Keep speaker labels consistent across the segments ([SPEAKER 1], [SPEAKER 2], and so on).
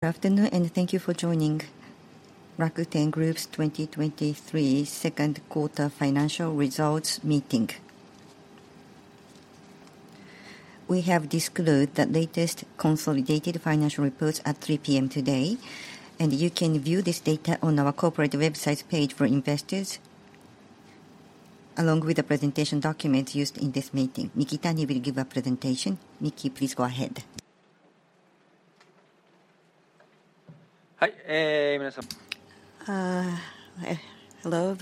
[SPEAKER 1] Good afternoon, and thank you for joining Rakuten Group's 2023 Q2 financial results meeting. We have disclosed the latest consolidated financial reports at 3:00 P.M. today, and you can view this data on our corporate websites page for investors, along with the presentation documents used in this meeting. Mikitani will give a presentation. Miki, please go ahead.
[SPEAKER 2] Hello,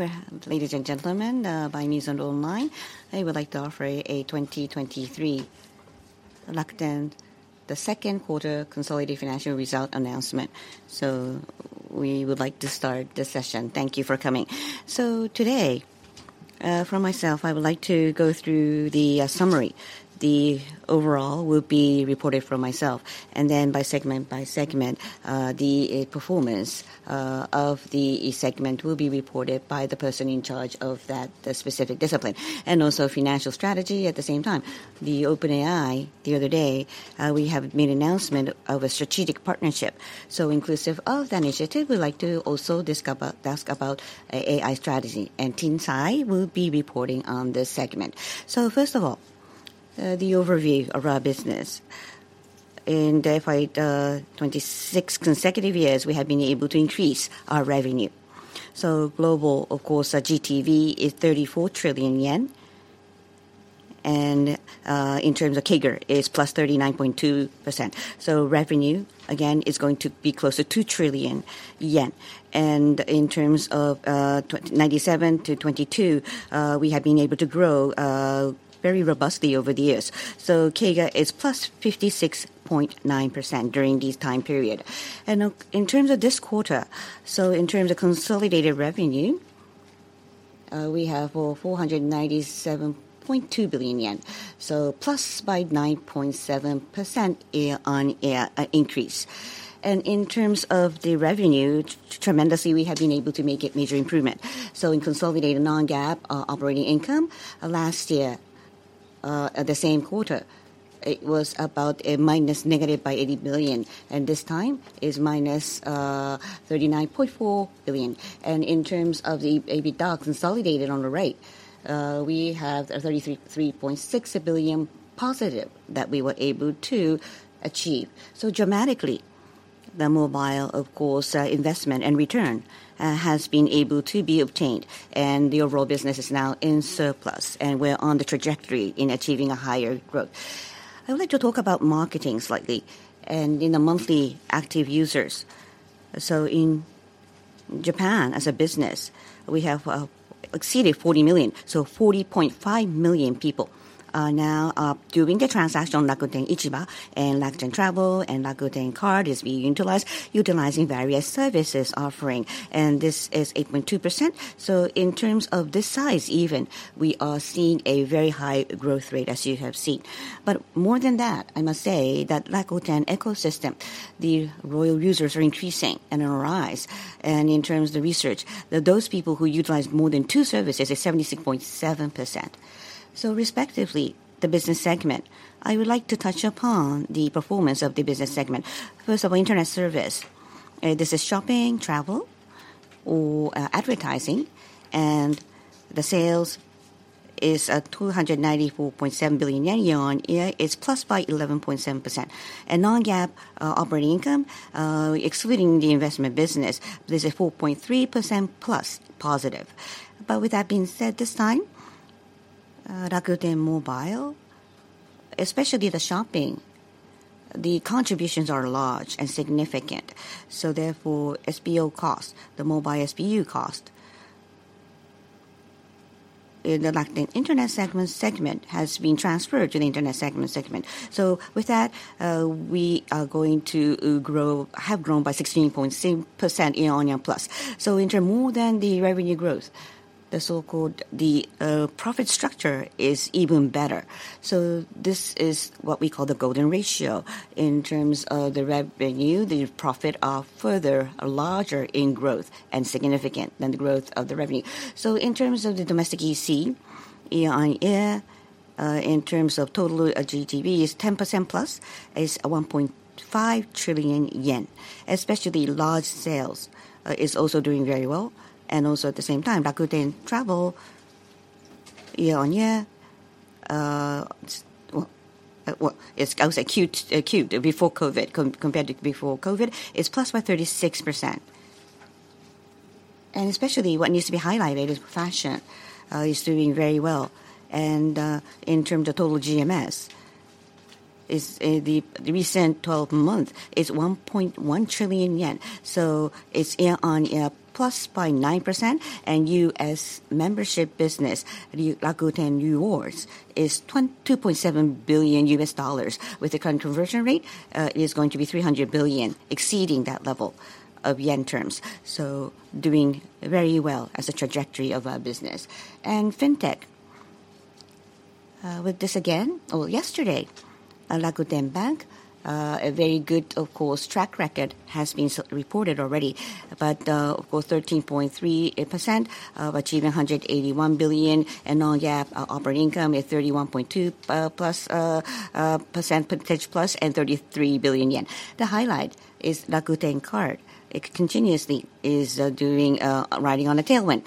[SPEAKER 2] ladies and gentlemen, by means online, I would like to offer a 2023 Rakuten, the Q2 consolidated financial result announcement. We would like to start the session. Thank you for coming. Today, for myself, I would like to go through the summary. The overall will be reported from myself, and then by segment by segment, the performance of the segment will be reported by the person in charge of that, the specific discipline, and also financial strategy at the same time. The OpenAI, the other day, we have made announcement of a strategic partnership. Inclusive of the initiative, we'd like to also discover-- ask about AI strategy, and Ting Cai will be reporting on this segment. First of all, the overview of our business. In the fight, 26 consecutive years, we have been able to increase our revenue. Global, of course, GTV is 34 trillion yen, and in terms of CAGR, it's +39.2%. Revenue, again, is going to be closer to 1 trillion yen. In terms of 1997 to 2022, we have been able to grow very robustly over the years. CAGR is +56.9% during this time period. In terms of this quarter, in terms of consolidated revenue, we have 497.2 billion yen, +9.7% year-on-year increase. In terms of the revenue, tremendously, we have been able to make a major improvement. In consolidated non-GAAP operating income, last year, at the same quarter, it was about a minus negative by 80 billion. This time is minus 39.4 billion. In terms of the EBITDA consolidated on the rate, we have a 33.6 billion positive that we were able to achieve. Dramatically, the mobile, of course, investment and return has been able to be obtained. The overall business is now in surplus, we're on the trajectory in achieving a higher growth. I would like to talk about marketing slightly and in the monthly active users. In Japan, as a business, we have exceeded 40 million. 40.5 million people now are doing the transaction on Rakuten Ichiba, and Rakuten Travel, and Rakuten Card is being utilized, utilizing various services offering, and this is 8.2%. In terms of this size, even, we are seeing a very high growth rate, as you have seen. More than that, I must say that Rakuten Ecosystem, the royal users are increasing and on the rise. In terms of the research, those people who utilize more than 2 services is 76.7%. Respectively, the business segment, I would like to touch upon the performance of the business segment. First of all, internet service. This is shopping, travel, or advertising, and the sales is at JPY 294.7 billion year-on-year, is plus by 11.7%. Non-GAAP operating income, excluding the investment business, there's a 4.3% + positive. With that being said, this time, Rakuten Mobile, especially the shopping, the contributions are large and significant. Therefore, SBO costs, the mobile SBU cost, in the Rakuten internet segment has been transferred to the internet segment. With that, we are going to grow, have grown by 16.6% year-on-year +. In term more than the revenue growth, the so-called the profit structure is even better. This is what we call the golden ratio. In terms of the revenue, the profit are further larger in growth and significant than the growth of the revenue. In terms of the domestic EC, year-on-year, in terms of total GTV is +10%, is at 1.5 trillion yen. Especially large sales is also doing very well. Also at the same time, Rakuten Travel, year-on-year, it's, I would say, Q3, before COVID, compared to before COVID, is +36%. Especially what needs to be highlighted is fashion is doing very well. In terms of total GMS, the recent 12 months is 1.1 trillion yen. It's year-on-year +9%, and U.S. membership business, the Rakuten Rewards, is $2.7 billion, with the current conversion rate, is going to be 300 billion, exceeding that level of yen terms. Doing very well as a trajectory of our business. Fintech-... with this again, well, yesterday, at Rakuten Bank, a very good, of course, track record has been so reported already. Of course, 13.3% of achieving 181 billion, and non-GAAP operating income is 31.2% percentage plus, and 33 billion yen. The highlight is Rakuten Card. It continuously is doing riding on a tailwind.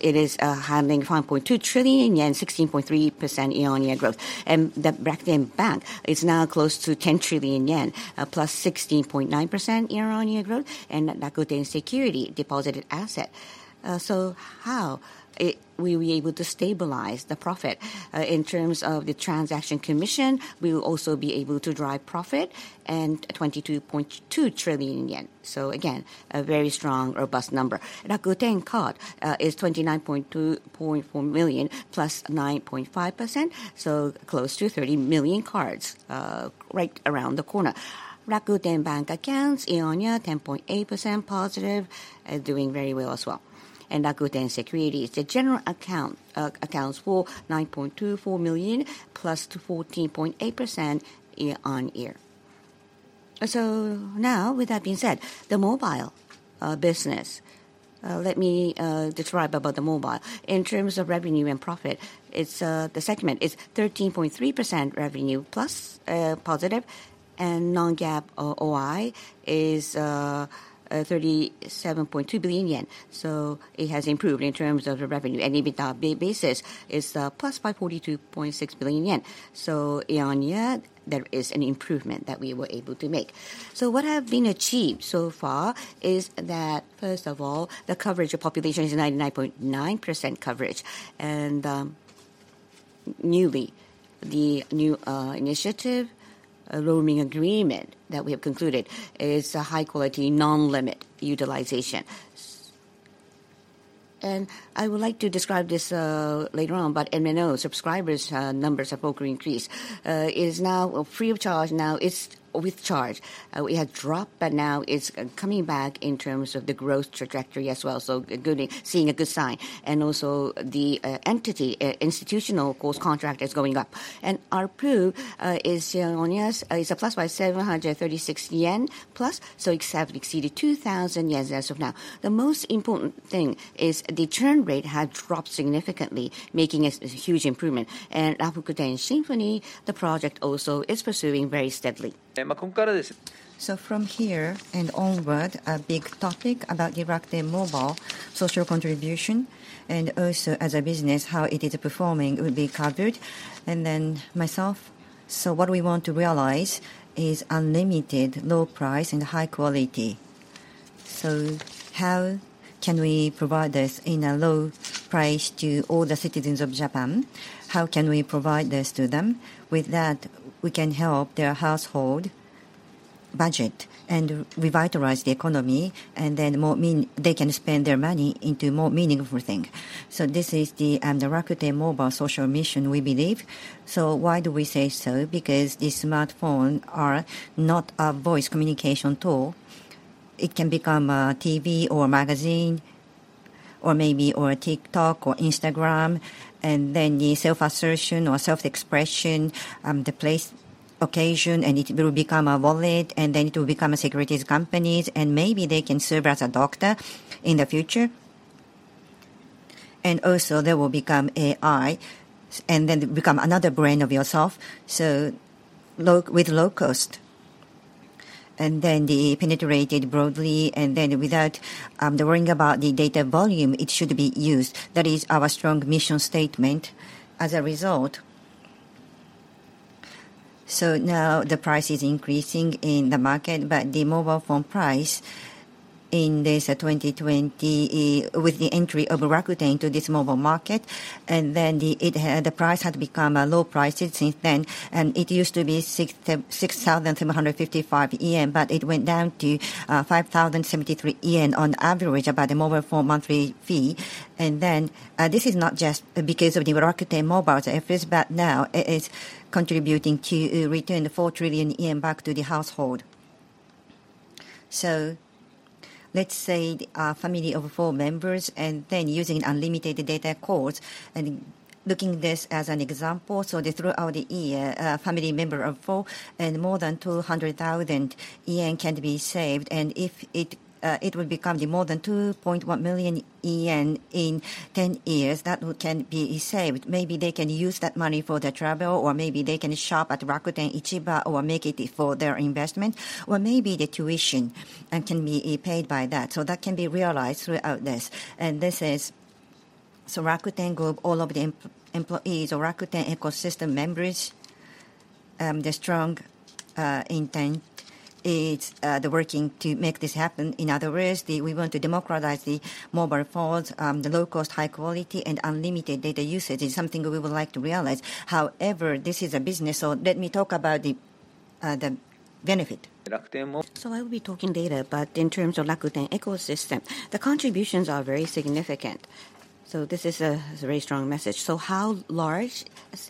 [SPEAKER 2] It is handling 5.2 trillion yen, 16.3% year-on-year growth. The Rakuten Bank is now close to 10 trillion yen, plus 16.9% year-on-year growth, and Rakuten Securities deposited asset. How we were able to stabilize the profit? In terms of the transaction commission, we will also be able to drive profit and 22.2 trillion yen. Again, a very strong, robust number. Rakuten Card is 29.24 million +9.5%, so close to 30 million cards right around the corner. Rakuten Bank accounts, year-on-year, +10.8% positive, doing very well as well. Rakuten Securities, the general account, accounts for 9.24 million, +14.8% year-on-year. With that being said, the mobile business. Let me describe about the mobile. In terms of revenue and profit, it's the segment is +13.3% revenue positive, and non-GAAP, OI, is 37.2 billion yen. It has improved in terms of the revenue, and even the basis is plus by 42.6 billion yen. Year-on-year, there is an improvement that we were able to make. What have been achieved so far is that, first of all, the coverage of population is 99.9% coverage. Newly, the new initiative, a roaming agreement that we have concluded, is a high-quality, non-limit utilization. I would like to describe this later on, but MNO subscribers numbers have over increased. It is now free of charge, now it's with charge. We had dropped, but now it's coming back in terms of the growth trajectory as well, so good, seeing a good sign. Also, the entity, institutional, of course, contract is going up. ARPU, is year-on-years, is plus by 736 yen plus, so it's have exceeded 2,000 yen as of now. The most important thing is the churn rate had dropped significantly, making a, a huge improvement. Rakuten Symphony, the project also is pursuing very steadily.
[SPEAKER 3] From here and onward, a big topic about the Rakuten Mobile social contribution, and also as a business, how it is performing, will be covered. Myself, what we want to realize is unlimited low price and high quality. How can we provide this in a low price to all the citizens of Japan? How can we provide this to them? With that, we can help their household budget and revitalize the economy, more they can spend their money into more meaningful thing. This is the, the Rakuten Mobile social mission, we believe. Why do we say so? Because the smartphone are not a voice communication tool. It can become a TV or magazine, or maybe, or a TikTok or Instagram, and then the self-assertion or self-expression, the place, occasion, and it will become a wallet, and then it will become a securities companies, and maybe they can serve as a doctor in the future. They will become AI, and then become another brain of yourself. With low cost, and then the penetrated broadly, and then without the worrying about the data volume, it should be used. That is our strong mission statement. As a result, now the price is increasing in the market, but the mobile phone price in this 2020 with the entry of Rakuten to this mobile market, and then the, The price had become low prices since then. It used to be 6,755 yen, but it went down to 5,073 yen on average about the mobile phone monthly fee. This is not just because of the Rakuten Mobile's efforts, but now is contributing to return the 4 trillion yen back to the household. Let's say a family of 4 members, and then using unlimited data calls, and looking this as an example, throughout the year, a family member of 4 and more than 200,000 yen can be saved. If it, it will become more than 2.1 million yen in 10 years, that can be saved. Maybe they can use that money for their travel, or maybe they can shop at Rakuten Ichiba or make it for their investment, or maybe the tuition can be paid by that. That can be realized throughout this. This is, Rakuten Group, all of the employees or Rakuten Ecosystem members, the strong intent is working to make this happen. In other words, we want to democratize the mobile phones. The low cost, high quality, and unlimited data usage is something we would like to realize. However, this is a business, let me talk about the benefit.
[SPEAKER 2] I will be talking data, but in terms of Rakuten Ecosystem, the contributions are very significant. This is a, is a very strong message. How large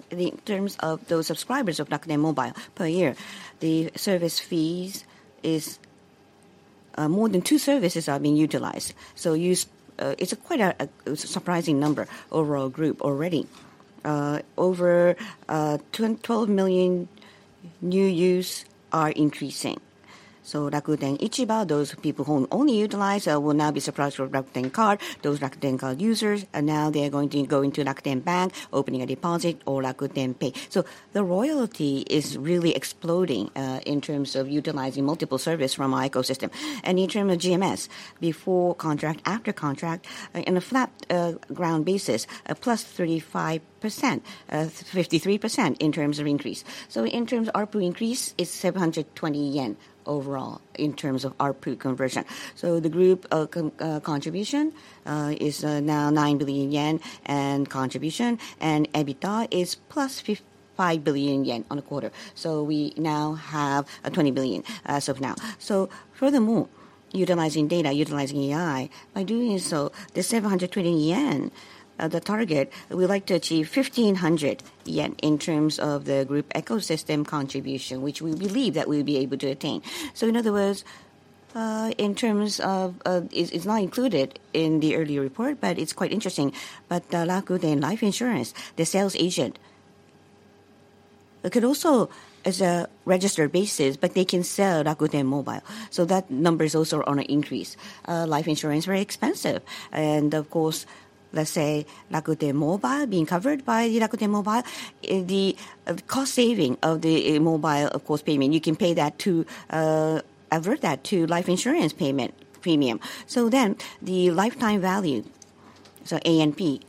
[SPEAKER 2] the, in terms of those subscribers of Rakuten Mobile per year, the service fees is. More than 2 services are being utilized. Use, it's a quite a, a, surprising number overall group already. Over, 12 million new use are increasing. Rakuten Ichiba, those people who only utilize, will now be surprised with Rakuten Card. Those Rakuten Card users are now they are going to go into Rakuten Bank, opening a deposit or Rakuten Pay. The royalty is really exploding, in terms of utilizing multiple service from our Ecosystem. In term of GMS, before contract, after contract, in a flat ground basis, a +35%, 53% in terms of increase. In terms of ARPU increase, it's 720 yen overall in terms of ARPU conversion. The group contribution is now 9 billion yen, and contribution and EBITDA is +5 billion yen on a quarter. We now have 20 billion as of now. Furthermore, utilizing data, utilizing AI, by doing so, the 700 trillion yen, the target, we'd like to achieve 1,500 yen in terms of the group ecosystem contribution, which we believe that we'll be able to attain. In other words, in terms of, it's, it's not included in the earlier report, but it's quite interesting. Rakuten Life Insurance, the sales agent, it could also, as a registered basis, but they can sell Rakuten Mobile, so that number is also on an increase. Life insurance is very expensive, and of course, let's say Rakuten Mobile, being covered by the Rakuten Mobile, the cost saving of the mobile, of course, payment, you can pay that to avert that to life insurance payment premium. Then the lifetime value, ANP,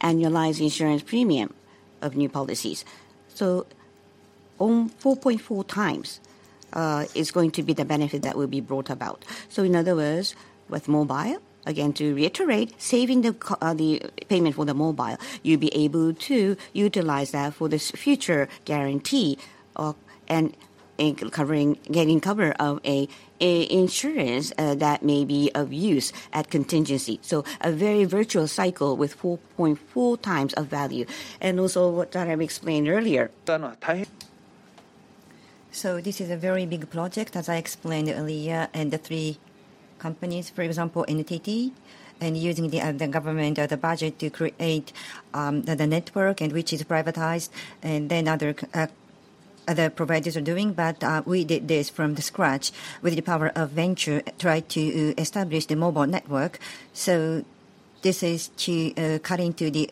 [SPEAKER 2] Annualized Insurance Premium of new policies. On 4.4 times is going to be the benefit that will be brought about. In other words, with mobile, again, to reiterate, saving the payment for the mobile, you'll be able to utilize that for this future guarantee of, and in covering, getting cover of a, a insurance that may be of use at contingency. A very virtual cycle with 4.4 times of value, and also what Tareq explained earlier.
[SPEAKER 3] This is a very big project, as I explained earlier, and the three companies, for example, NTT, and using the, the government, the budget to create the, the network and which is privatized, and then other providers are doing. We did this from the scratch with the power of venture, tried to establish the mobile network. This is to cut into the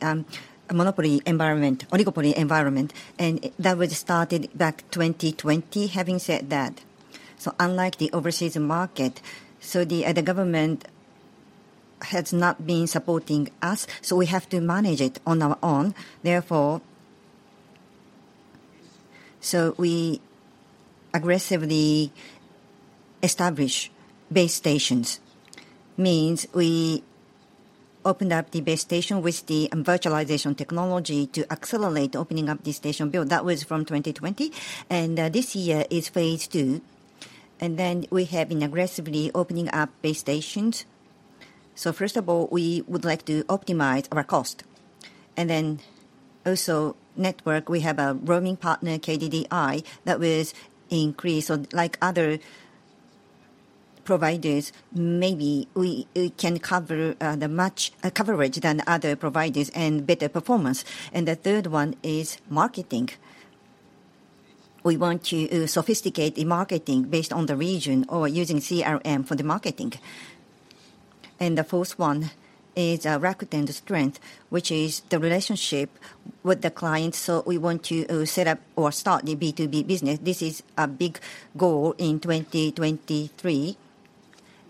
[SPEAKER 3] monopoly environment, oligopoly environment, and that was started back in 2020. Having said that, unlike the overseas market, the government has not been supporting us, so we have to manage it on our own. Therefore, we aggressively establish base stations, means we opened up the base station with the virtualization technology to accelerate opening up the station build. That was from 2020, this year is phase 2, we have been aggressively opening up base stations. First of all, we would like to optimize our cost. Also network, we have a roaming partner, KDDI. That will increase on, like other providers, maybe we, we can cover the much coverage than other providers and better performance. The 3rd one is marketing. We want to sophisticate the marketing based on the region or using CRM for the marketing. The 4th one is Rakuten Strength, which is the relationship with the client. We want to set up or start the B2B business. This is a big goal in 2023,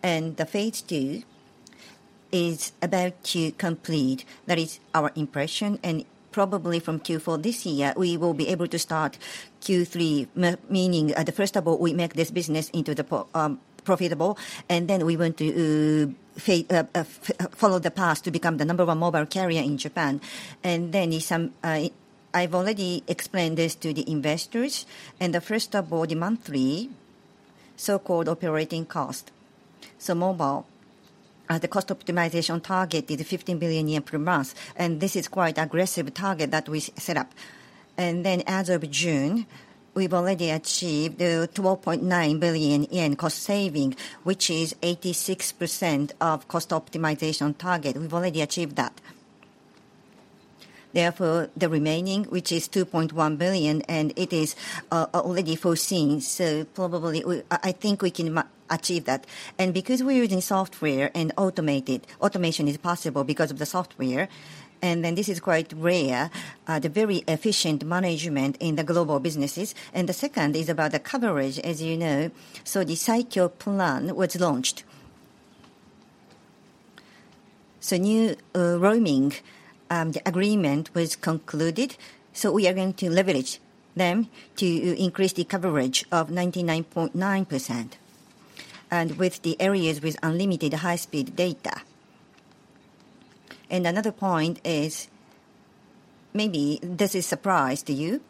[SPEAKER 3] the phase 2 is about to complete. That is our impression. Probably from Q4 this year, we will be able to start Q3, meaning, first of all, we make this business into the profitable. Then we want to follow the path to become the number one mobile carrier in Japan. In some, I've already explained this to the investors. First of all, the monthly so-called operating cost. Mobile, the cost optimization target is 15 billion yen per month. This is quite aggressive target that we set up. As of June, we've already achieved 12.9 billion yen cost saving, which is 86% of cost optimization target. We've already achieved that. The remaining, which is 2.1 billion, and it is already foreseen, probably we, I, I think we can achieve that. Because we're using software and automated, automation is possible because of the software, and then this is quite rare, the very efficient management in the global businesses. The second is about the coverage, as you know, the Rakuten Saikyo Plan was launched. New roaming agreement was concluded, we are going to leverage them to increase the coverage of 99.9%, and with the areas with unlimited high-speed data. Another point is, maybe this is surprise to you,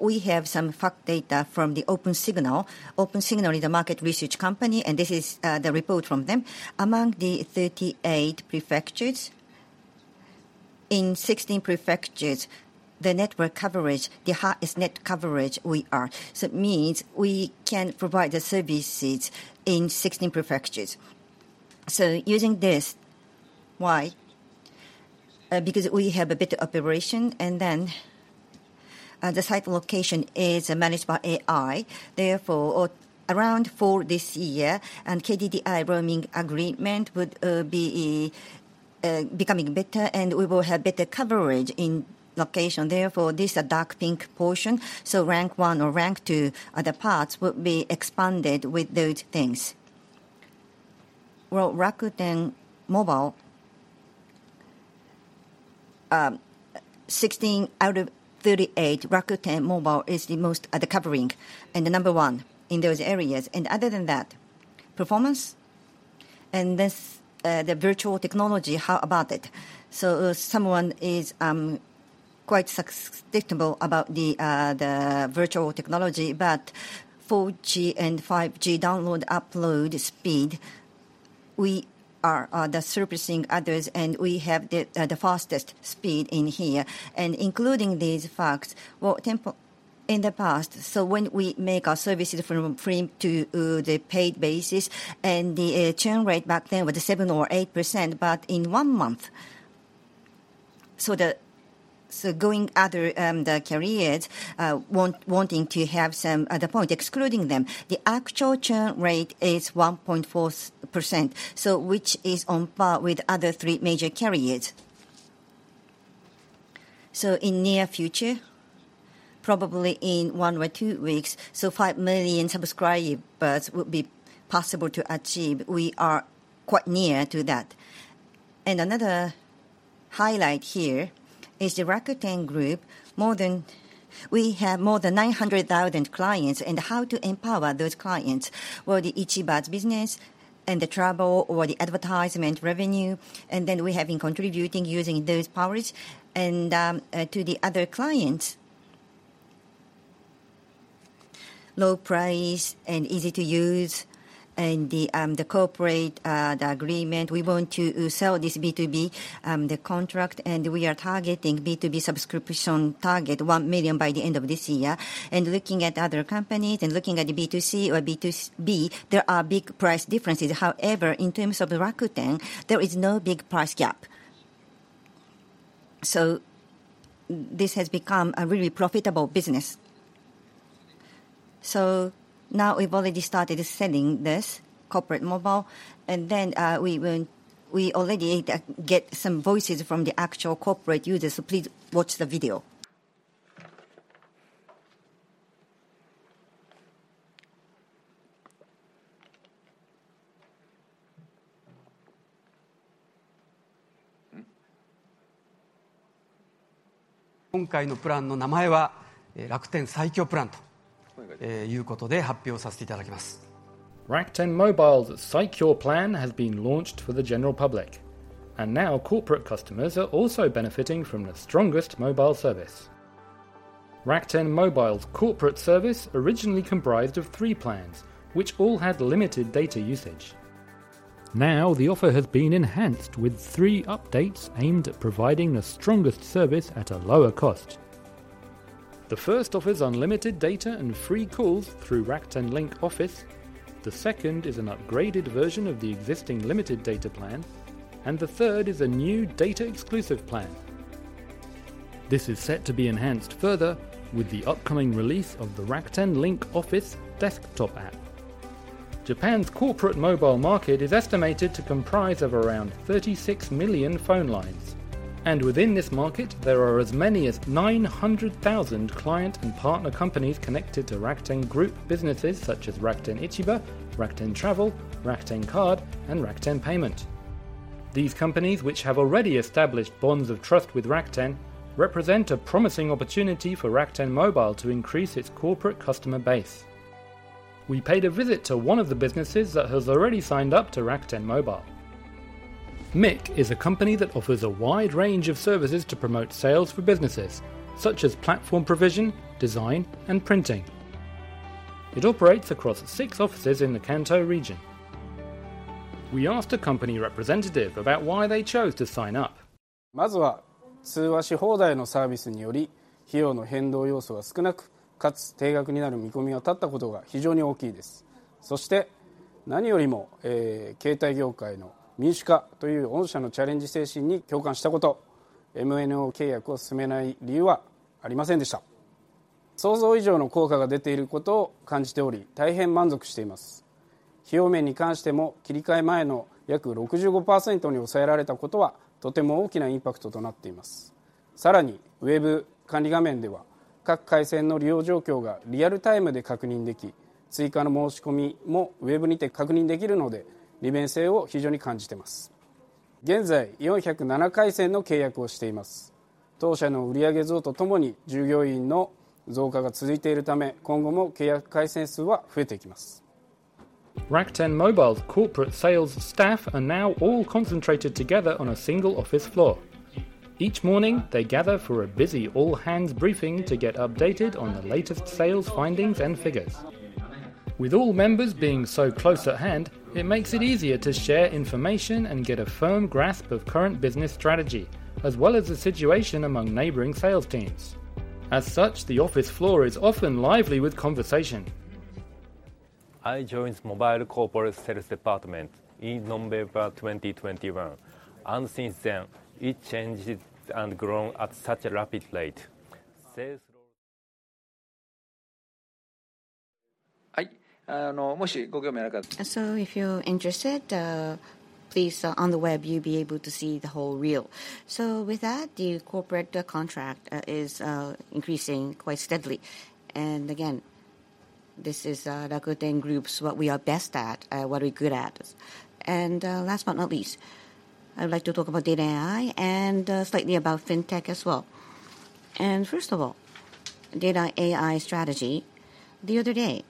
[SPEAKER 3] we have some fact data from the Opensignal. Opensignal is a market research company, this is the report from them. Among the 38 prefectures... in 16 prefectures, the network coverage, the highest net coverage we are. It means we can provide the services in 16 prefectures. Using this, why? Because we have a better operation, and then the site location is managed by AI. Around for this year, KDDI roaming agreement would be becoming better, and we will have better coverage in location. This dark pink portion, so rank one or rank two, other parts will be expanded with those things. Well, Rakuten Mobile, 16 out of 38, Rakuten Mobile is the most covering and the number one in those areas. Other than that, performance and this the virtual technology, how about it? Someone is quite suspectable about the virtual technology, but 4G and 5G download, upload speed, we are the surfacing others, and we have the fastest speed in here. Including these facts, well, in the past, when we make our services from free to the paid basis, and the churn rate back then was 7%-8%, but in 1 month, going other carriers wanting to have some point, excluding them, the actual churn rate is 1.4%, which is on par with other 3 major carriers. In near future, probably in 1-2 weeks, 5 million subscribers will be possible to achieve. We are quite near to that. Another highlight here is the Rakuten Group, we have more than 900,000 clients, and how to empower those clients? Well, the Rakuten Ichiba's business and the travel or advertisement revenue, then we have been contributing using those powers. To the other clients, low price and easy to use, and the corporate agreement, we want to sell this B2B contract, and we are targeting B2B subscription target 1 million by the end of this year. Looking at other companies and looking at the B2C or B2B, there are big price differences. However, in terms of Rakuten, there is no big price gap. This has become a really profitable business. Now we've already started selling this corporate mobile, and then, we already get some voices from the actual corporate users. Please watch the video.
[SPEAKER 4] Rakuten Mobile's Saikyo Plan has been launched for the general public, and now corporate customers are also benefiting from the strongest mobile service. Rakuten Mobile's corporate service originally comprised of three plans, which all had limited data usage. Now, the offer has been enhanced with three updates aimed at providing the strongest service at a lower cost. The first offers unlimited data and free calls through Rakuten Link Office. The second is an upgraded version of the existing limited data plan, and the third is a new data-exclusive plan. This is set to be enhanced further with the upcoming release of the Rakuten Link Office desktop app. Japan's corporate mobile market is estimated to comprise of around 36 million phone lines, and within this market, there are as many as 900,000 client and partner companies connected to Rakuten Group businesses such as Rakuten Ichiba, Rakuten Travel, Rakuten Card, and Rakuten Payment. These companies, which have already established bonds of trust with Rakuten, represent a promising opportunity for Rakuten Mobile to increase its corporate customer base. We paid a visit to one of the businesses that has already signed up to Rakuten Mobile. MIC is a company that offers a wide range of services to promote sales for businesses, such as platform provision, design, and printing. It operates across six offices in the Kanto region. We asked a company representative about why they chose to sign up. Rakuten Mobile's corporate sales staff are now all concentrated together on a single office floor. Each morning, they gather for a busy all-hands briefing to get updated on the latest sales findings and figures. ... With all members being so close at hand, it makes it easier to share information and get a firm grasp of current business strategy, as well as the situation among neighboring sales teams. As such, the office floor is often lively with conversation.
[SPEAKER 5] I joined Mobile Corporate Sales Department in November 2021, and since then, it changed and grown at such a rapid rate.
[SPEAKER 4] I.
[SPEAKER 2] If you're interested, please, on the web, you'll be able to see the whole reel. With that, the corporate contract is increasing quite steadily. Again, this is Rakuten Group's what we are best at, what we're good at. Last but not least, I'd like to talk about data AI and slightly about fintech as well. First of all, data AI strategy. The other day,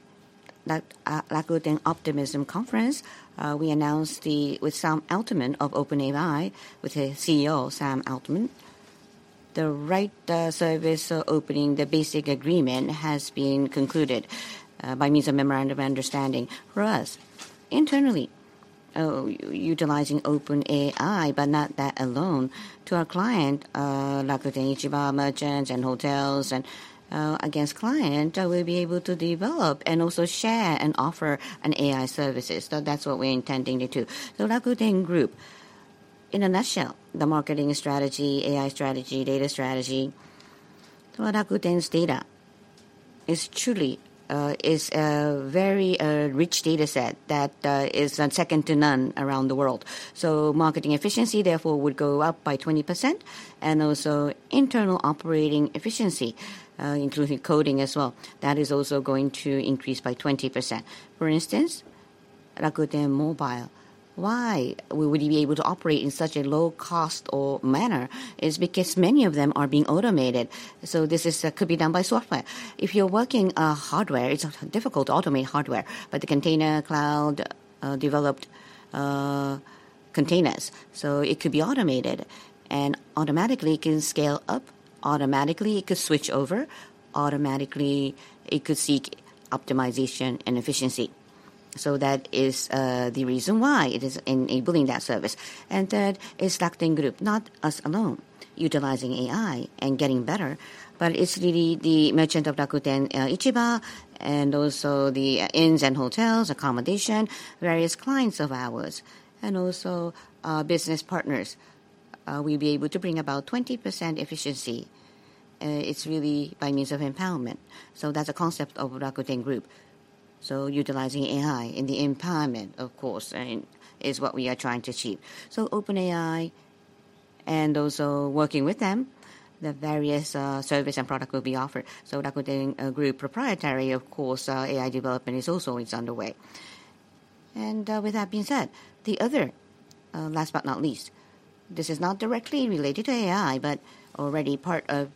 [SPEAKER 2] at Rakuten Optimism Conference, we announced. With Sam Altman of OpenAI, with the CEO, Sam Altman, the right service opening, the basic agreement has been concluded by means of memorandum understanding. For us, internally, utilizing OpenAI, but not that alone, to our client, Rakuten Ichiba, merchants, and hotels, and against client, we'll be able to develop and also share and offer an AI services. That's what we're intending to do. Rakuten Group, in a nutshell, the marketing strategy, AI strategy, data strategy. Rakuten's data is truly, is a very rich data set that is second to none around the world. Marketing efficiency, therefore, would go up by 20%, and also internal operating efficiency, including coding as well. That is also going to increase by 20%. For instance, Rakuten Mobile. Why we would be able to operate in such a low cost or manner? Is because many of them are being automated, so this is could be done by software. If you're working hardware, it's difficult to automate hardware, but the container cloud developed containers, so it could be automated. Automatically, it can scale up, automatically it could switch over, automatically it could seek optimization and efficiency. That is, the reason why it is enabling that service. That is Rakuten Group, not us alone, utilizing AI and getting better, but it's really the merchant of Rakuten Ichiba, and also the inns and hotels, accommodation, various clients of ours, and also, business partners. We'll be able to bring about 20% efficiency. It's really by means of empowerment. That's a concept of Rakuten Group. Utilizing AI in the empowerment, of course, and is what we are trying to achieve. OpenAI, and also working with them, the various, service and product will be offered. Rakuten Group proprietary, of course, AI development is also is underway. With that being said, the other, last but not least, this is not directly related to AI, but already part of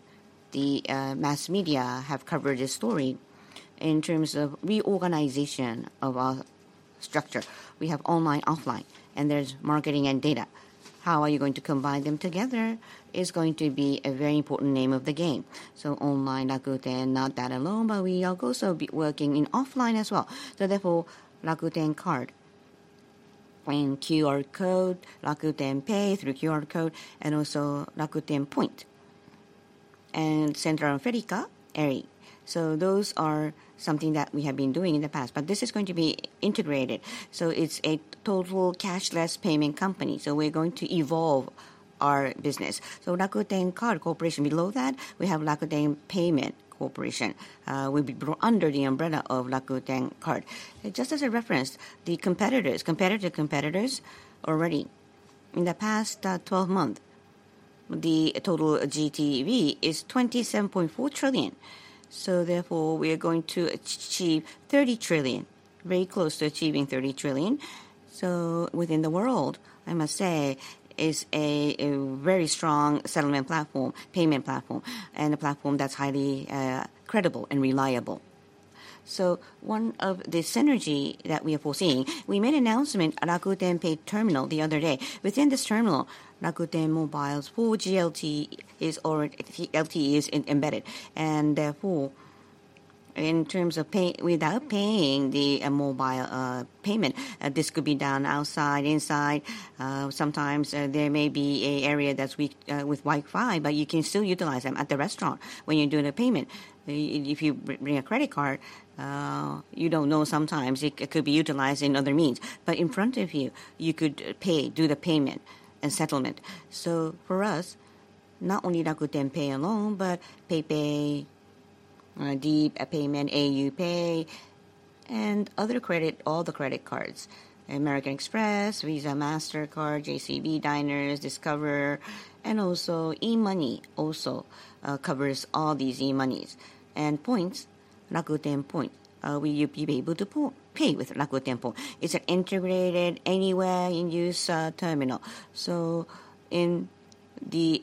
[SPEAKER 2] the mass media have covered this story in terms of reorganization of our structure. We have online, offline, and there's marketing and data. How are you going to combine them together is going to be a very important name of the game. Online, Rakuten, not that alone, but we are also be working in offline as well. Therefore, Rakuten Card and QR code, Rakuten Pay through QR code, and also Rakuten Point, and Central Africa, Airi. Those are something that we have been doing in the past, but this is going to be integrated, so it's a total cashless payment company. We're going to evolve our business. Rakuten Card Corporation, below that, we have Rakuten Payment Corporation, will be under the umbrella of Rakuten Card. Just as a reference, the competitors, competitive competitors already in the past, 12 month, the total GTV is 27.4 trillion. Therefore, we are going to achieve 30 trillion, very close to achieving 30 trillion. Within the world, I must say, is a very strong settlement platform, payment platform, and a platform that's highly credible and reliable. One of the synergy that we are foreseeing, we made an announcement, Rakuten Pay Terminal, the other day. Within this terminal, Rakuten Mobile's full LTE is already LTE is embedded, and therefore, in terms of pay without paying the mobile payment, this could be done outside, inside. Sometimes, there may be a area that's weak with Wi-Fi, but you can still utilize them at the restaurant when you're doing a payment. If you bring a credit card, you don't know, sometimes it could be utilized in other means. In front of you, you could pay, do the payment and settlement. For us, not only Rakuten Pay alone, but PayPay, d Payment, au PAY, and other credit, all the credit cards, American Express, Visa, Mastercard, JCB, Diners, Discover, and also e-money also, covers all these e-monies. Points, Rakuten Point. You'll be able to pay with Rakuten Point. It's integrated anywhere in use, terminal. In the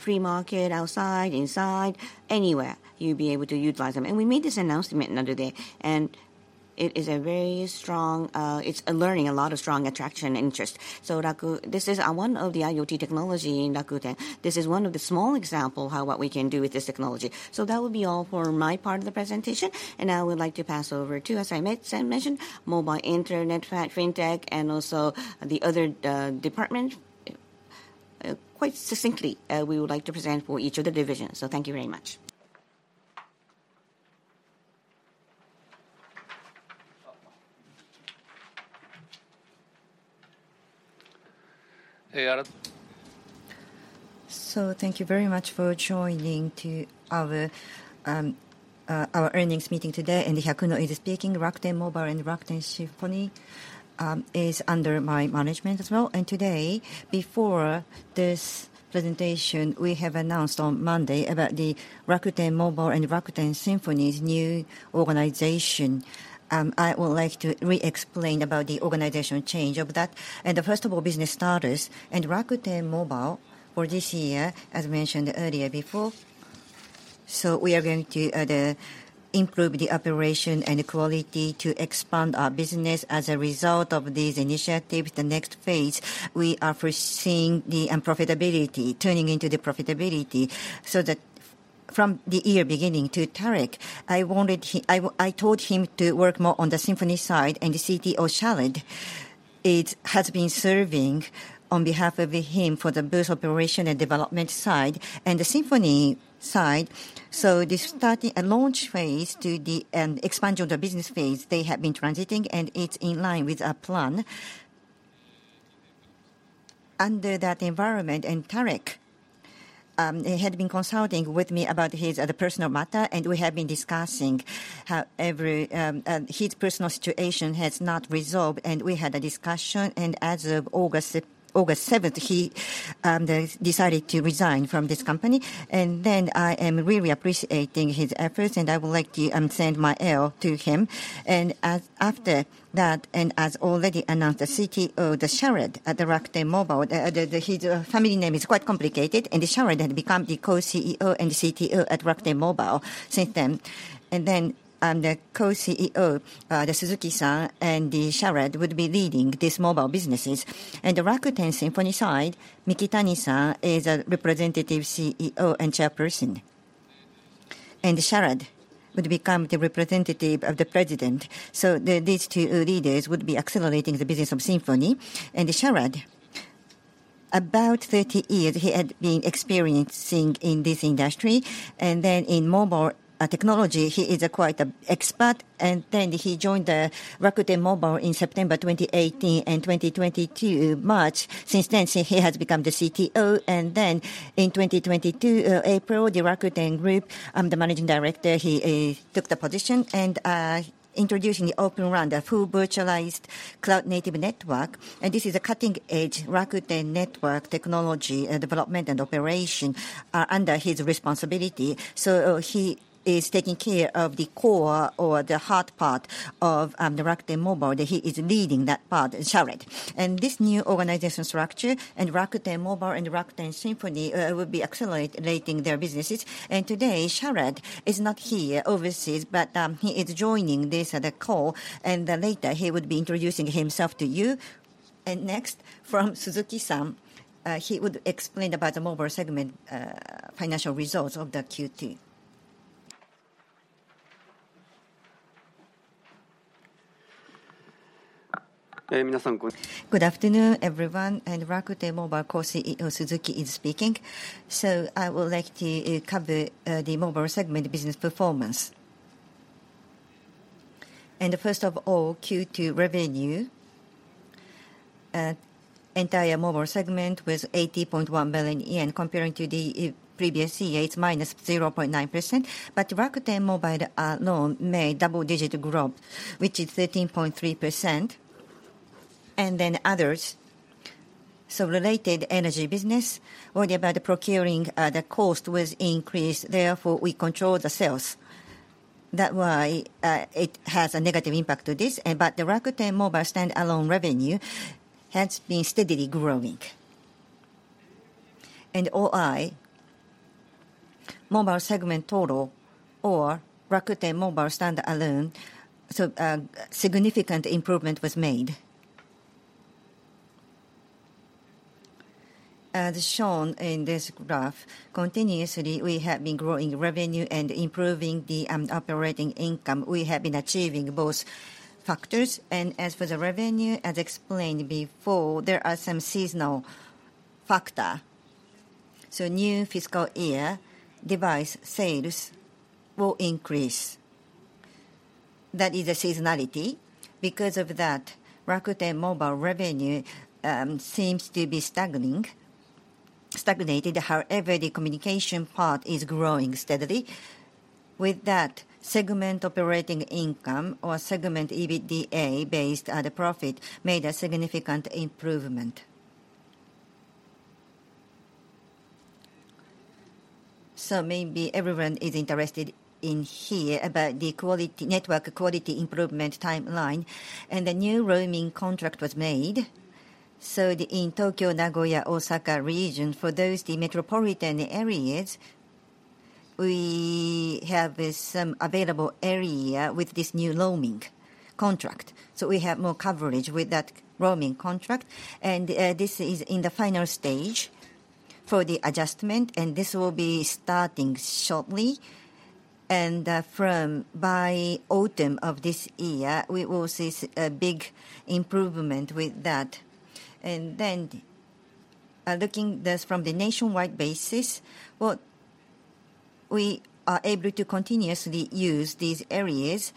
[SPEAKER 2] free market, outside, inside, anywhere, you'll be able to utilize them. We made this announcement the other day. It is a very strong, it's learning a lot of strong attraction interest. This is one of the IoT technology in Rakuten. This is one of the small example how what we can do with this technology. That will be all for my part of the presentation, and I would like to pass over to, as I mentioned, mobile internet, fintech, and also the other department. Quite succinctly, we would like to present for each of the divisions. Thank you very much.
[SPEAKER 3] Thank you very much for joining to our earnings meeting today. Kentaro Hyakuno is speaking. Rakuten Mobile and Rakuten Symphony is under my management as well. Today, before this presentation, we have announced on Monday about the Rakuten Mobile and Rakuten Symphony's new organization. I would like to re-explain about the organizational change of that. First of all, business starters, and Rakuten Mobile for this year, as mentioned earlier before, we are going to improve the operation and the quality to expand our business. As a result of these initiatives, the next phase, we are foreseeing the unprofitability turning into the profitability. From the year beginning to Tareq Amin, I told him to work more on the Symphony side, and the CTO, Sharad Sriwastawa, it has been serving on behalf of him for the both operation and development side, and the Symphony side. The starting and launch phase to the expansion of the business phase, they have been transiting, and it's in line with our plan. Under that environment, Tareq, he had been consulting with me about his personal matter, and we have been discussing how every... His personal situation has not resolved, and we had a discussion, and as of August 7th, he decided to resign from this company. I am really appreciating his efforts, and I would like to send my ale to him. As after that, and as already announced, the CTO, Sharad, at the Rakuten Mobile, his family name is quite complicated, and Sharad had become the co-CEO and CTO at Rakuten Mobile since then. Then, the co-CEO, the Kazuhiro Suzuki and Sharad would be leading these mobile businesses. The Rakuten Symphony side, Mikitani-san is a representative CEO and chairperson. Sharad would become the representative of the President, so these two leaders would be accelerating the business of Symphony. Sharad, about 30 years he had been experiencing in this industry, and then in mobile, technology, he is a quite a expert, and then he joined the Rakuten Mobile in September 2018, and 2022, March. Since then, he, he has become the CTO, and then in 2022, April, the Rakuten Group, the managing director, he took the position, and introducing the Open RAN, the full virtualized cloud-native network. This is a cutting-edge Rakuten network technology, development, and operation under his responsibility. He is taking care of the core or the hard part of the Rakuten Mobile, that he is leading that part, Sharad. This new organizational structure, and Rakuten Mobile, and Rakuten Symphony will be accelerate- rating their businesses. Today, Sharad is not here overseas, but he is joining this, the call, and later he would be introducing himself to you. Next, from Suzuki-san, he would explain about the mobile segment, financial results of the Q2. Good afternoon, everyone, and Rakuten Mobile co-CEO, Suzuki is speaking. I would like to cover the mobile segment business performance. First of all, Q2 revenue. Entire mobile segment was 80.1 billion yen, comparing to the previous year, it's minus 0.9%. Rakuten Mobile alone, made double digit growth, which is 13.3%. Others, related energy business, worry about the procuring, the cost was increased, therefore, we control the sales. That why it has a negative impact to this, the Rakuten Mobile stand-alone revenue has been steadily growing. OI, mobile segment total, or Rakuten Mobile stand-alone, significant improvement was made. As shown in this graph, continuously, we have been growing revenue and improving the operating income. We have been achieving both factors. As for the revenue, as explained before, there are some seasonal factor. New fiscal year, device sales will increase. That is a seasonality. Because of that, Rakuten Mobile revenue, seems to be stagnating, stagnated, however, the communication part is growing steadily. With that, segment operating income or segment EBITDA based, the profit, made a significant improvement. Maybe everyone is interested in here about the quality, network quality improvement timeline. A new roaming contract was made, the in Tokyo, Nagoya, Osaka region, for those the metropolitan areas, we have this available area with this new roaming contract, so we have more coverage with that roaming contract. This is in the final stage for the adjustment, and this will be starting shortly. From by autumn of this year, we will see a big improvement with that. Looking this from the nationwide basis, what we are able to continuously use these areas,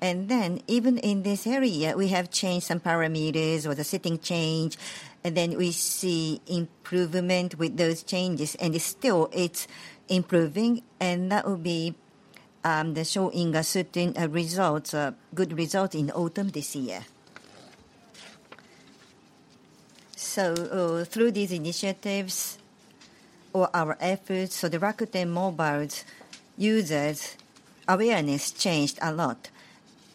[SPEAKER 3] and then even in this area, we have changed some parameters or the setting change, and then we see improvement with those changes. It's improving, and that will be the showing certain results, good result in autumn this year. Through these initiatives or our efforts, so the Rakuten Mobile's users awareness changed a lot.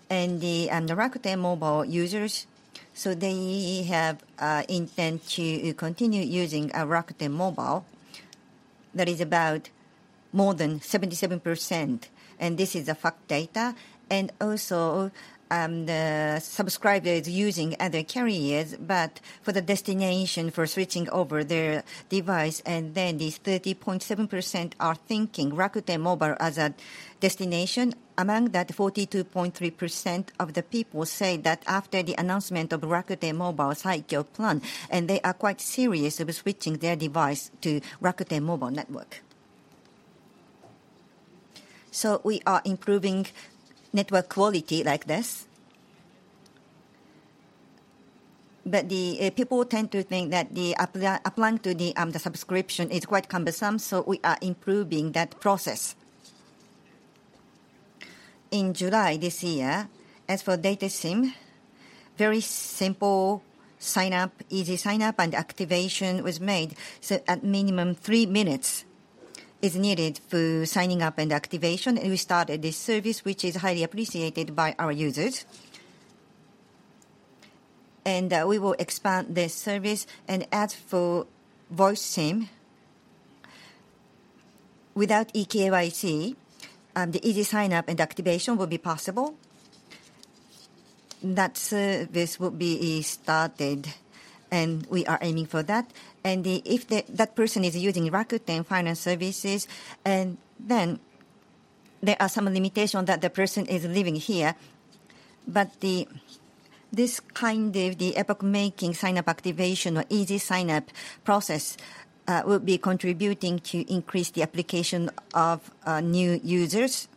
[SPEAKER 3] The Rakuten Mobile users, so they have intent to continue using Rakuten Mobile. That is about more than 77%, and this is a fact data. The subscribers using other carriers, but for the destination for switching over their device, and then these 30.7% are thinking Rakuten Mobile as a destination. Among that, 42.3% of the people say that after the announcement of Rakuten Saikyo Plan, they are quite serious about switching their device to Rakuten Mobile network. We are improving network quality like this. The people tend to think that the applying to the subscription is quite cumbersome, we are improving that process. In July this year, as for data SIM, very simple sign up, easy sign up and activation was made. At minimum, 3 minutes is needed for signing up and activation, we started this service, which is highly appreciated by our users. We will expand this service. As for voice SIM, without eKYC, the easy sign up and activation will be possible. That service will be started, we are aiming for that. If the, that person is using Rakuten finance services, and then there are some limitations that the person is living here. The, this kind of the epoch-making sign up activation or easy sign up process will be contributing to increase the application of new users.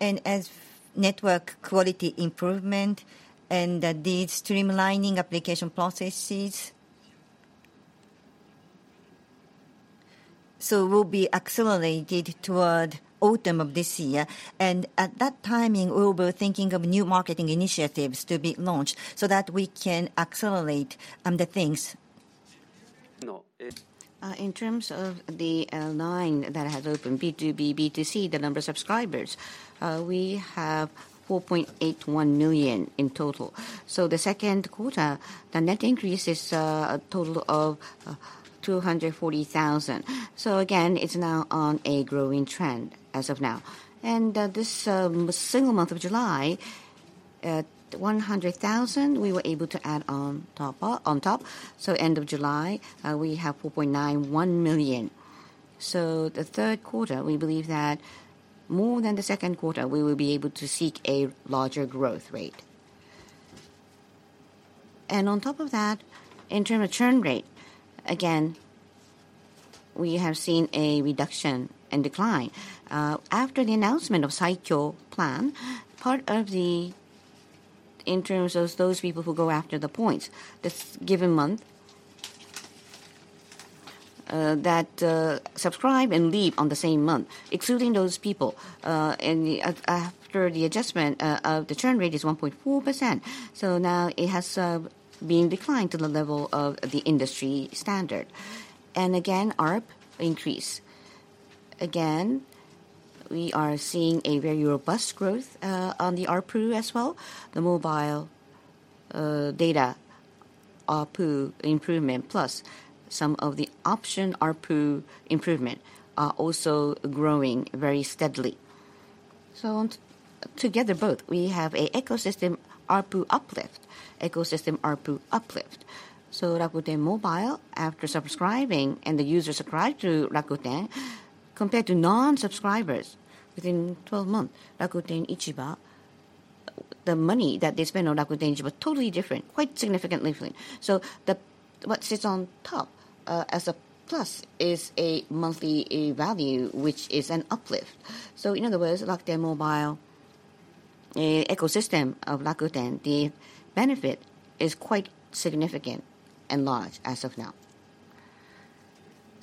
[SPEAKER 3] As network quality improvement and the streamlining application processes will be accelerated toward autumn of this year, at that timing, we'll be thinking of new marketing initiatives to be launched so that we can accelerate the things. In terms of the line that has opened, B2B, B2C, the number of subscribers, we have 4.81 million in total. The Q2, the net increase is a total of 240,000. Again, it's now on a growing trend as of now. This single month of July, at 100,000, we were able to add on top of, on top. End of July, we have 4.91 million. The Q3, we believe that more than the Q2, we will be able to seek a larger growth rate. On top of that, in churn rate, again, we have seen a reduction and decline. After the announcement of Saikyo Plan, part of the, in terms of those people who go after the points, this given month, that subscribe and leave on the same month, excluding those people, after the adjustment, the churn rate is 1.4%. Now it has been declined to the level of the industry standard. Again, ARPU increase. Again, we are seeing a very robust growth on the ARPU as well. The mobile data ARPU improvement, plus some of the option ARPU improvement are also growing very steadily. Together both, we have a ecosystem ARPU uplift, ecosystem ARPU uplift. Rakuten Mobile, after subscribing and the user subscribe to Rakuten, compared to non-subscribers within 12 months, Rakuten Ichiba, the money that they spend on Rakuten Ichiba, totally different, quite significantly different. What sits on top as a plus is a monthly value, which is an uplift. In other words, Rakuten Mobile ecosystem of Rakuten, the benefit is quite significant and large as of now.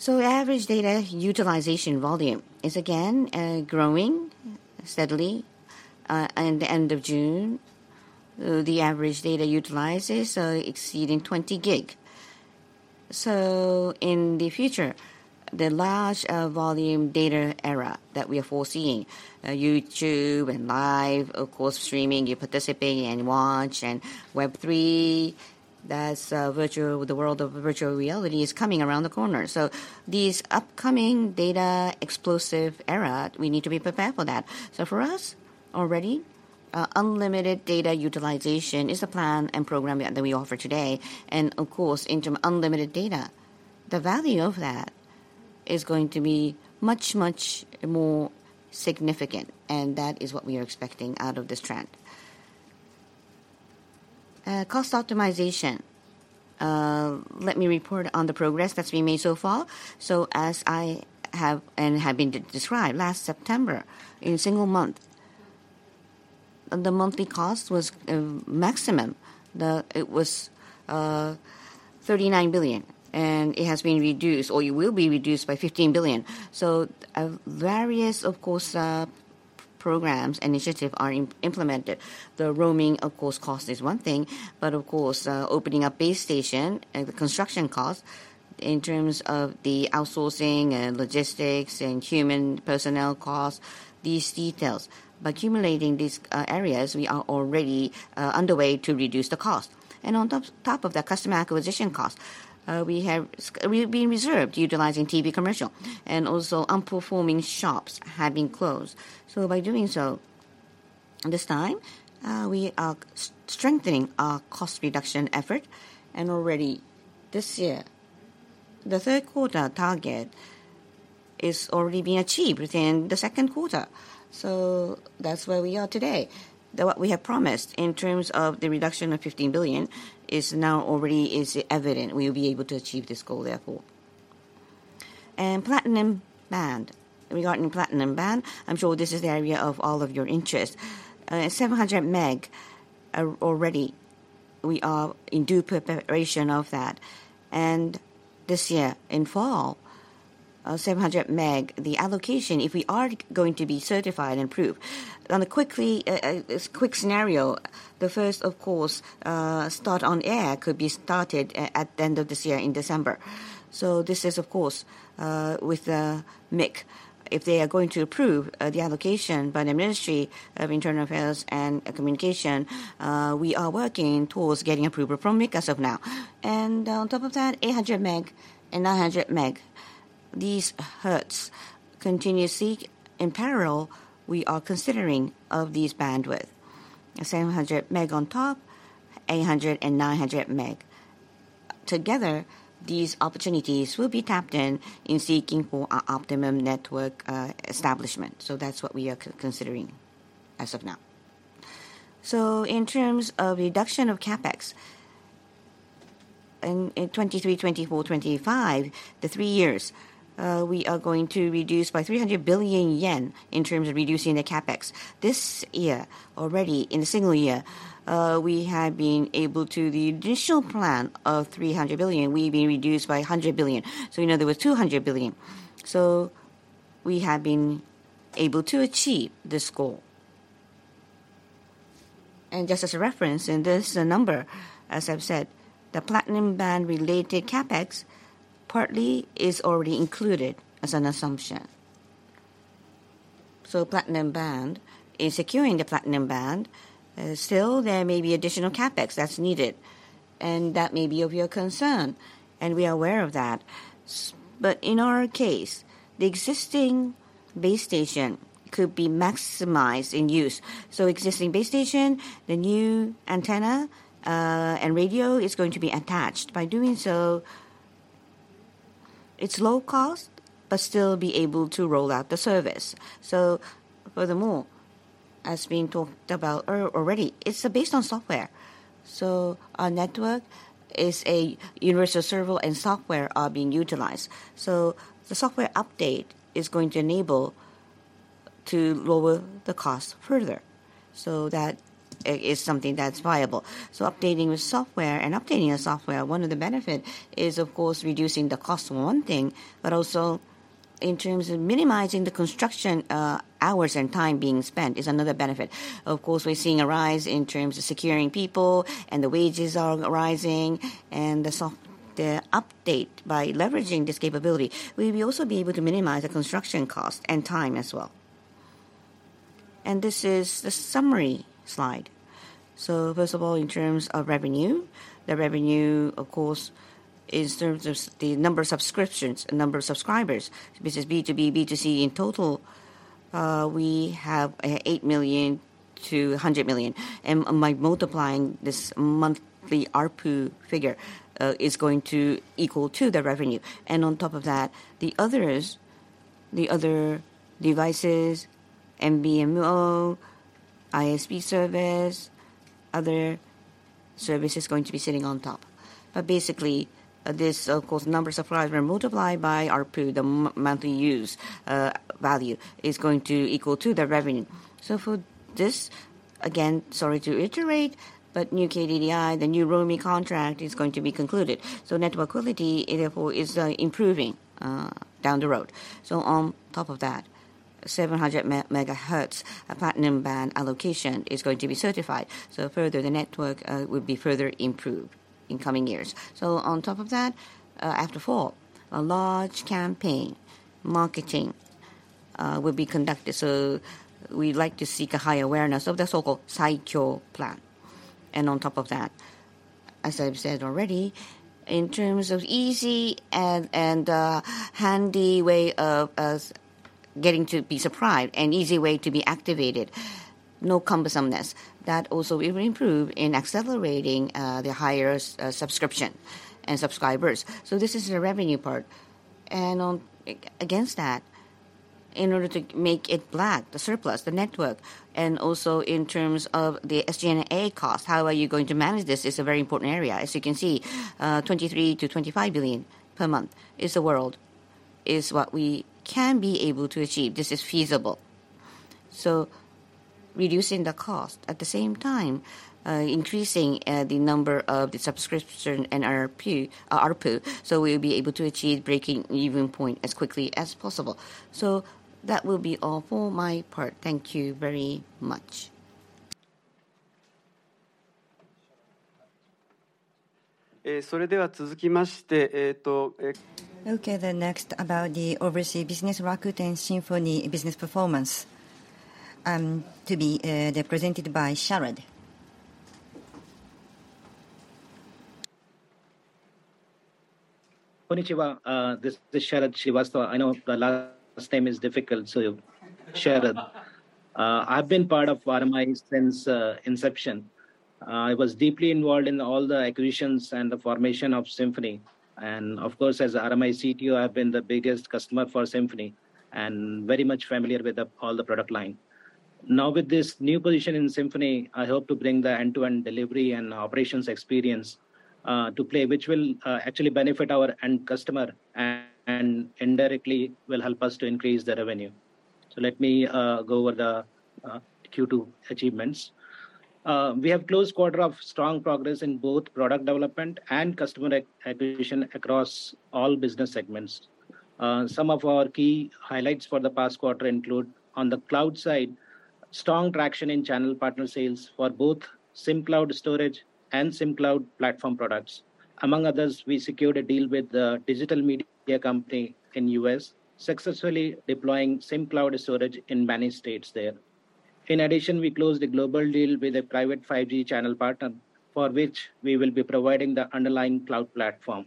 [SPEAKER 3] Average data utilization volume is again growing steadily. And the end of June, the average data utilizes exceeding 20 GB. In the future, the large volume data era that we are foreseeing, YouTube and Live, of course, streaming, you participate and watch, and Web3-...
[SPEAKER 2] that's virtual, the world of virtual reality is coming around the corner. These upcoming data explosive era, we need to be prepared for that. For us, already, unlimited data utilization is a plan and program that, that we offer today, and of course, in term unlimited data, the value of that is going to be much, much more significant, and that is what we are expecting out of this trend. Cost optimization. Let me report on the progress that's been made so far. As I have and have been described, last September, in a single month, the monthly cost was maximum. It was 39 billion, and it has been reduced, or it will be reduced by 15 billion. Various, of course, programs, initiative are implemented. The roaming, of course, cost is one thing. Of course, opening a base station and the construction cost in terms of the outsourcing and logistics and human personnel costs, these details. By accumulating these areas, we are already underway to reduce the cost. On top, top of that, customer acquisition cost, we have we've been reserved utilizing TV commercial, and also underperforming shops have been closed. By doing so, this time, we are strengthening our cost reduction effort, and already this year, the Q3 target is already being achieved within the Q2. That's where we are today. That what we have promised in terms of the reduction of 15 billion is now already is evident. We will be able to achieve this goal, therefore. Platinum band. Regarding platinum band, I'm sure this is the area of all of your interest. 700 Meg are already... We are in due preparation of that. This year, in fall, 700 Meg, the allocation, if we are going to be certified and approved, on a quickly, quick scenario, the first, of course, start on air could be started at the end of this year in December. This is, of course, with MIC. If they are going to approve the allocation by the Ministry of Internal Affairs and Communications, we are working towards getting approval from MIC as of now. On top of that, 800 Meg and 900 Meg. These hertz continue seek in parallel, we are considering of these bandwidth. 700 Meg on top, 800 and 900 Meg. Together, these opportunities will be tapped in seeking for a optimum network establishment. That's what we are considering as of now. In terms of reduction of CapEx, in 2023, 2024, 2025, the three years, we are going to reduce by 300 billion yen in terms of reducing the CapEx. This year, already in a single year, we have been able to the initial plan of 300 billion, we've been reduced by 100 billion, so in other words, 200 billion. We have been able to achieve this goal. Just as a reference, and this number, as I've said, the platinum band-related CapEx partly is already included as an assumption. Platinum band, in securing the platinum band, still there may be additional CapEx that's needed, and that may be of your concern, and we are aware of that. But in our case, the existing base station could be maximized in use. Existing base station, the new antenna, and radio is going to be attached. By doing so, it's low cost, but still be able to roll out the service. Furthermore, as being talked about already, it's based on software. Our network is a universal server, and software are being utilized. The software update is going to enable to lower the cost further. That is something that's viable. Updating the software and updating a software, one of the benefit is, of course, reducing the cost on one thing, but also in terms of minimizing the construction hours and time being spent is another benefit. Of course, we're seeing a rise in terms of securing people, and the wages are rising, and the update by leveraging this capability, we will also be able to minimize the construction cost and time as well. This is the summary slide. First of all, in terms of revenue, the revenue, of course, is terms of the number of subscriptions, number of subscribers, which is B2B, B2C. In total, we have 8 million to 100 million, and by multiplying this monthly ARPU figure is going to equal to the revenue. On top of that, the others, the other devices, MVNO, ISP service, other service is going to be sitting on top. Basically, this, of course, number subscribers multiplied by ARPU, the monthly use, value, is going to equal to the revenue. For this, again, sorry to iterate, but new KDDI, the new roaming contract is going to be concluded. Network quality, therefore, is improving down the road. On top of that, 700 megahertz, platinum band allocation is going to be certified. Further, the network will be further improved in coming years. On top of that, after fall, a large campaign, marketing will be conducted. We'd like to seek a high awareness of the so-called Saikyo Plan. On top of that, as I've said already, in terms of easy and, and handy way of getting to be subscribed, and easy way to be activated, no cumbersomeness. That also will improve in accelerating the higher subscription and subscribers. This is the revenue part. On, against that, in order to make it black, the surplus, the network, and also in terms of the SG&A cost, how are you going to manage this is a very important area. As you can see, 23 billion-25 billion per month is the world, is what we can be able to achieve. This is feasible. Reducing the cost, at the same time, increasing the number of the subscription and ARPU, ARPU, so we'll be able to achieve breaking even point as quickly as possible. That will be all for my part. Thank you very much.
[SPEAKER 1] Okay, next about the overseas business, Rakuten Symphony business performance, to be represented by Sharad.
[SPEAKER 6] Konnichiwa, this, this is Sharad Sriwastawa. I know the last name is difficult, so Sharad. I've been part of RMI since inception. I was deeply involved in all the acquisitions and the formation of Symphony, and of course, as RMI CTO, I've been the biggest customer for Symphony and very much familiar with all the product line. Now, with this new position in Symphony, I hope to bring the end-to-end delivery and operations experience to play, which will actually benefit our end customer and indirectly will help us to increase the revenue. Let me go over the Q2 achievements. We have closed quarter of strong progress in both product development and customer acquisition across all business segments. Some of our key highlights for the past quarter include: on the cloud side, strong traction in channel partner sales for both Symcloud Storage and Symcloud Platform products. Among others, we secured a deal with a digital media company in U.S., successfully deploying Symcloud Storage in many states there. In addition, we closed a global deal with a private 5G channel partner, for which we will be providing the underlying cloud platform.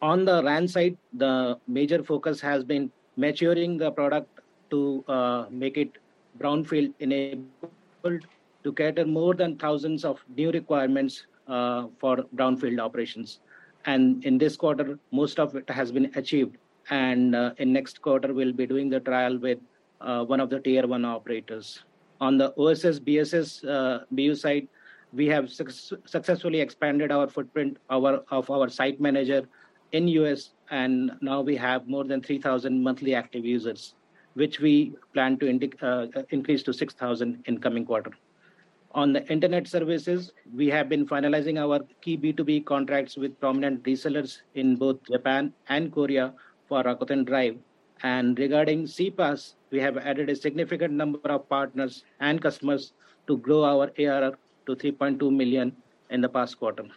[SPEAKER 6] On the RAN side, the major focus has been maturing the product to make it brownfield-enabled to cater more than thousands of new requirements for brownfield operations. In this quarter, most of it has been achieved, and in next quarter, we'll be doing the trial with one of the tier 1 operators. On the OSS/BSS Business Unit side, we have successfully expanded our footprint, our, of our Site Manager in U.S. Now we have more than 3,000 monthly active users, which we plan to increase to 6,000 in coming quarter. On the internet services, we have been finalizing our key B2B contracts with prominent resellers in both Japan and Korea for Rakuten Drive. Regarding CPaaS, we have added a significant number of partners and customers to grow our ARR to $3.2 million in the past quarter. We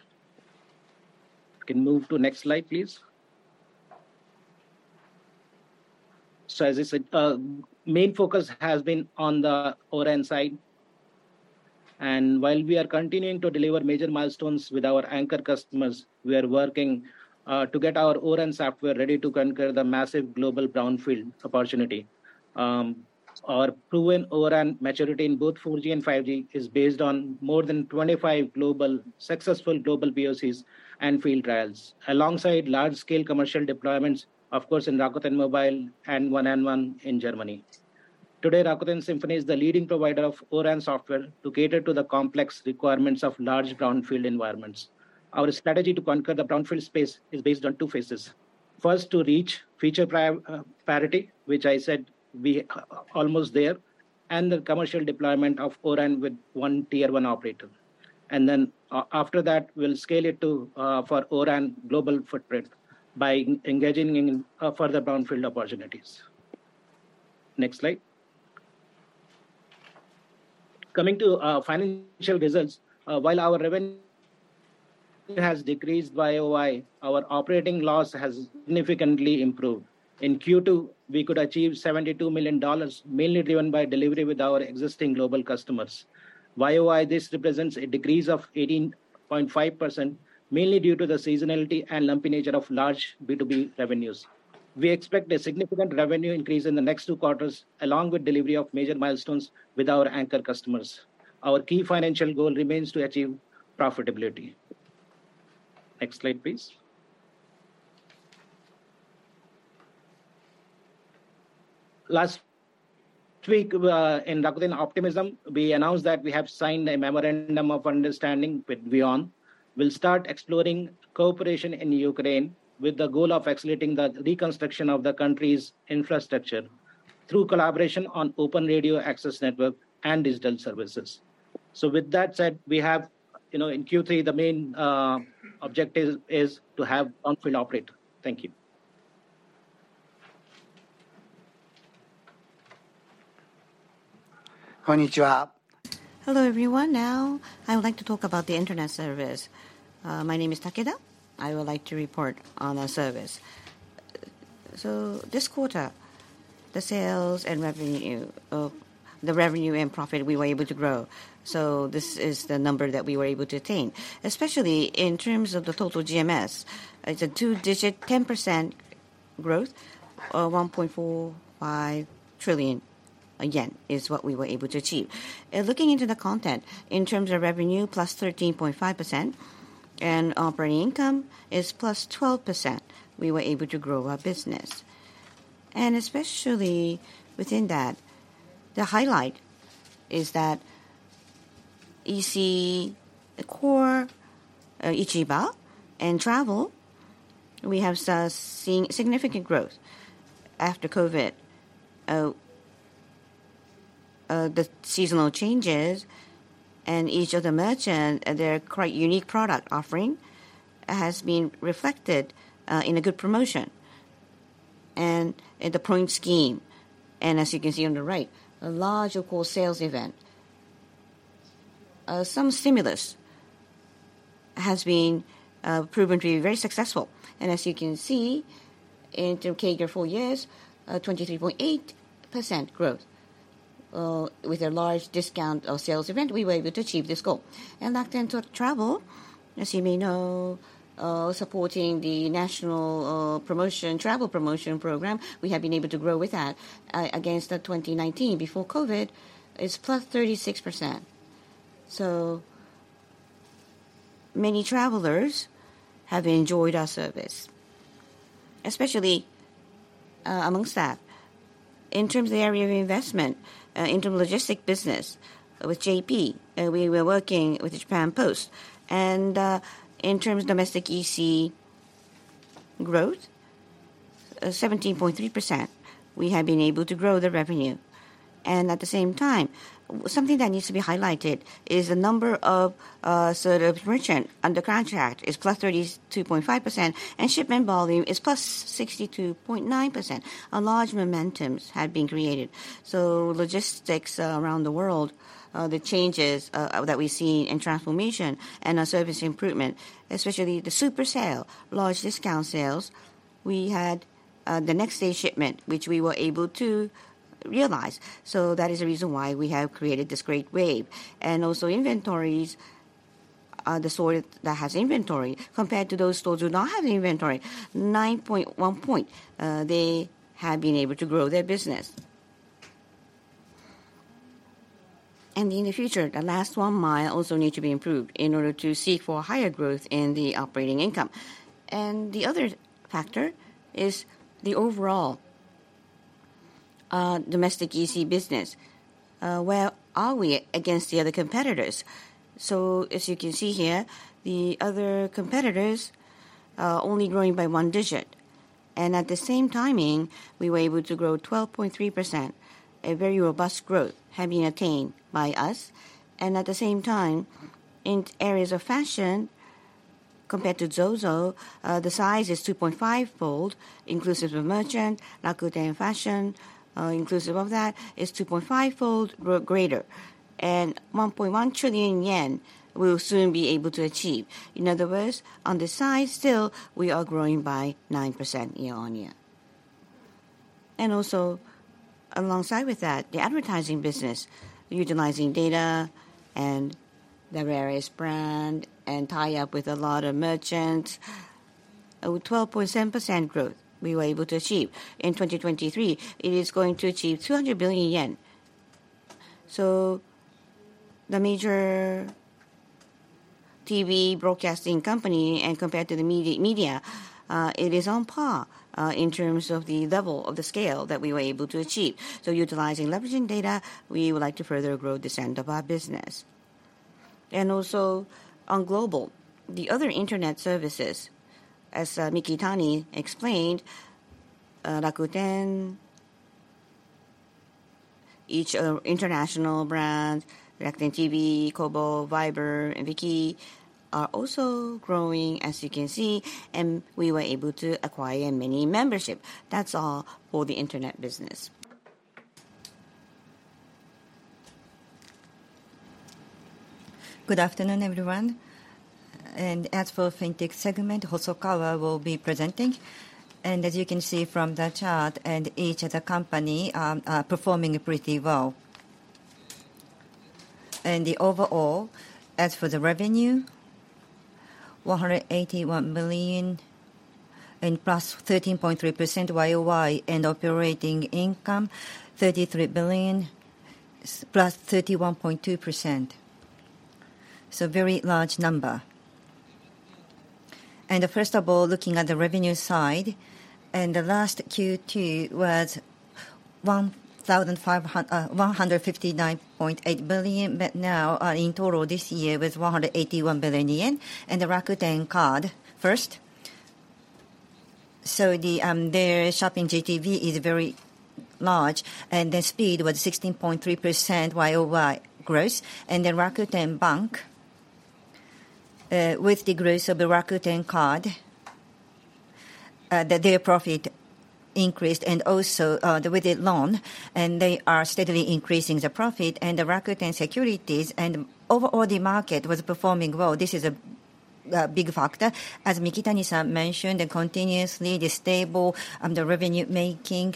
[SPEAKER 6] can move to next slide, please. As I said, main focus has been on the O-RAN side. While we are continuing to deliver major milestones with our anchor customers, we are working to get our O-RAN software ready to conquer the massive global brownfield opportunity. Our proven O-RAN maturity in both 4G and 5G is based on more than 25 global, successful global POCs and field trials, alongside large-scale commercial deployments, of course, in Rakuten Mobile and 1&1 in Germany. Today, Rakuten Symphony is the leading provider of O-RAN software to cater to the complex requirements of large brownfield environments. Our strategy to conquer the brownfield space is based on two phases: First, to reach feature parity, which I said we are almost there, and the commercial deployment of O-RAN with one tier 1 operator. Then after that, we'll scale it to for O-RAN global footprint by engaging in further brownfield opportunities. Next slide. Coming to financial results. While our revenue has decreased by Y-o-Y, our operating loss has significantly improved. In Q2, we could achieve $72 million, mainly driven by delivery with our existing global customers. YoY, this represents a decrease of 18.5%, mainly due to the seasonality and lumpiness of large B2B revenues. We expect a significant revenue increase in the next 2 quarters, along with delivery of major milestones with our anchor customers. Our key financial goal remains to achieve profitability. Next slide, please. Last week, in Rakuten Optimism, we announced that we have signed a memorandum of understanding with VEON. We'll start exploring cooperation in Ukraine, with the goal of accelerating the reconstruction of the country's infrastructure through collaboration on Open Radio Access Network and digital services. With that said, we have, you know, in Q3, the main objective is to have on field operator. Thank you!
[SPEAKER 5] Hello, everyone. Now, I would like to talk about the internet service. My name is Kazunori Takeda. I would like to report on our service. This quarter, the sales and revenue of, the revenue and profit, we were able to grow. This is the number that we were able to attain. Especially in terms of the total GMS, it's a 2-digit, 10% growth, or 1.45 trillion yen again, is what we were able to achieve. In looking into the content, in terms of revenue, plus 13.5%, operating income is plus 12%, we were able to grow our business. Especially within that, the highlight is that you see the core, Ichiba and Travel, we have seen significant growth after COVID. The seasonal changes and each of the merchant, their quite unique product offering, has been reflected in a good promotion and in the point scheme. As you can see on the right, a large, of course, sales event. Some stimulus has been proven to be very successful. As you can see, in terms of CAGR 4 years, 23.8% growth. With a large discount of sales event, we were able to achieve this goal. Rakuten Travel, as you may know, supporting the national promotion, travel promotion program, we have been able to grow with that against the 2019. Before COVID, it's +36%, so many travelers have enjoyed our service. Especially, amongst that, in terms of the area of investment, into logistic business with JP, we were working with the Japan Post. In terms of domestic EC growth, 17.3%, we have been able to grow the revenue. At the same time, something that needs to be highlighted is the number of, sort of merchant under contract is +32.5%, and shipment volume is +62.9%. A large momentums have been created. Logistics around the world, the changes, that we've seen in transformation and our service improvement, especially the super sale, large discount sales, we had, the next day shipment, which we were able to realize. That is the reason why we have created this great wave. Inventories, the store that has inventory, compared to those stores who do not have inventory, 9.1%, they have been able to grow their business. In the future, the last one mile also need to be improved in order to seek for higher growth in the operating income. The other factor is the overall domestic EC business. Where are we against the other competitors? As you can see here, the other competitors are only growing by one digit, and at the same timing, we were able to grow 12.3%. A very robust growth have been attained by us. At the same time, in areas of fashion, compared to ZOZO, the size is 2.5-fold, inclusive of merchant, Rakuten Fashion, inclusive of that, is 2.5-fold growth greater. 1.1 trillion yen, we'll soon be able to achieve. In other words, on the size, still, we are growing by 9% year-on-year. Also, alongside with that, the advertising business, utilizing data and the various brand, and tie up with a lot of merchants, 12.7% growth we were able to achieve. In 2023, it is going to achieve 200 billion yen. The major TV broadcasting company, and compared to the media, media, it is on par in terms of the level of the scale that we were able to achieve. Utilizing leveraging data, we would like to further grow this end of our business. Also, on global, the other internet services, as Mikitani explained, Rakuten, each international brand, Rakuten TV, Kobo, Viber, and Viki, are also growing, as you can see, and we were able to acquire many membership. That's all for the internet business. Good afternoon, everyone. As for Fintech segment, Hosokawa will be presenting. As you can see from the chart, each of the company are performing pretty well. The overall, as for the revenue, 181 billion and +13.3% YoY, and operating income, 33 billion +31.2%, so very large number. First of all, looking at the revenue side, the last Q2 was $159.8 billion, but now, in total this year was 181 billion yen. The Rakuten Card first, so the... Their shopping GTV is very large, and the speed was 16.3% YoY growth. Then Rakuten Bank, with the growth of the Rakuten Card, that their profit increased, also, with the loan, and they are steadily increasing the profit. The Rakuten Securities and overall, the market was performing well. This is a big factor. As Mikitani-san mentioned, continuously the stable revenue making,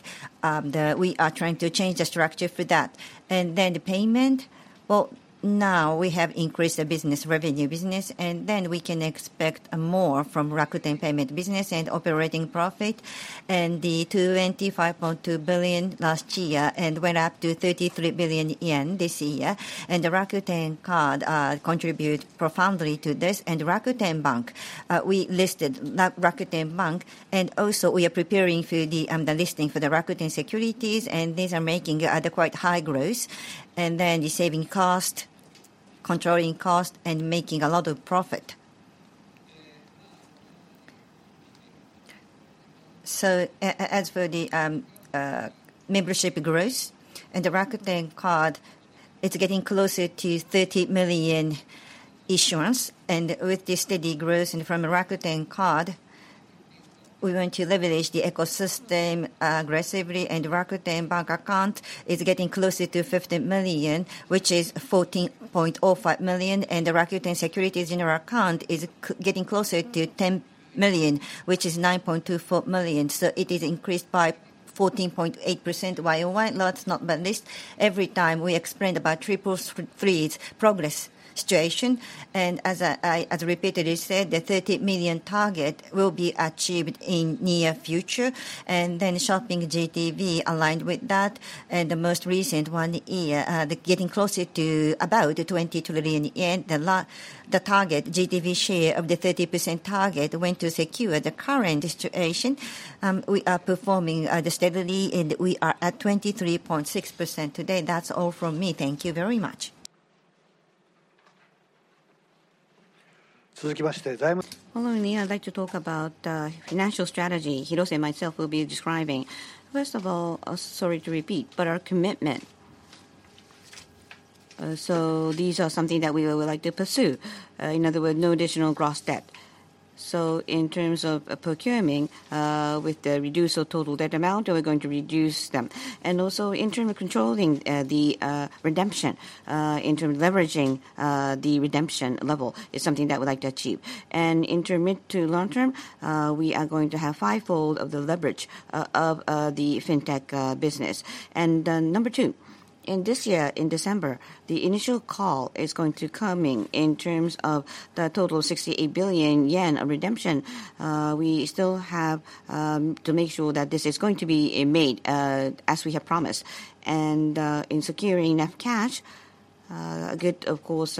[SPEAKER 5] we are trying to change the structure for that. The payment, well, now we have increased the business, revenue business, and then we can expect more from Rakuten Payment business and operating profit. The 205.2 billion last year, and went up to 33 billion yen this year. The Rakuten Card contribute profoundly to this. Rakuten Bank, we listed Rakuten Bank, and also we are preparing for the listing for the Rakuten Securities, and these are making quite high growth. The saving cost, controlling cost, and making a lot of profit. As for the membership growth and the Rakuten Card, it's getting closer to 30 million issuance. With the steady growth and from Rakuten Card, we want to leverage the ecosystem aggressively. Rakuten Bank account is getting closer to 50 million, which is 14.05 million, and the Rakuten Securities in our account is getting closer to 10 million, which is 9.24 million. It is increased by 14.8% YoY. Well, it's not but least. Every time we explained about Triple Three's progress situation, as I as repeatedly said, the 30 million target will be achieved in near future. Shopping GTV aligned with that, the most recent one year, getting closer to about 20 trillion yen. The target, GTV share of the 30% target went to secure the current situation. We are performing, the steadily, we are at 23.6% today. That's all from me. Thank you very much.
[SPEAKER 2] Following me, I'd like to talk about financial strategy. Hirose and myself will be describing. First of all, sorry to repeat, our commitment. These are something that we would like to pursue. In other words, no additional gross debt. In terms of procuring with the reduced or total debt amount, we're going to reduce them. Also, in terms of controlling the redemption, in terms of leveraging, the redemption level is something that we'd like to achieve. Intermediate to long term, we are going to have fivefold of the leverage of the fintech business. Number 2, in this year, in December, the initial call is going to coming in terms of the total 68 billion yen of redemption. We still have to make sure that this is going to be made as we have promised. In securing enough cash, a good, of course,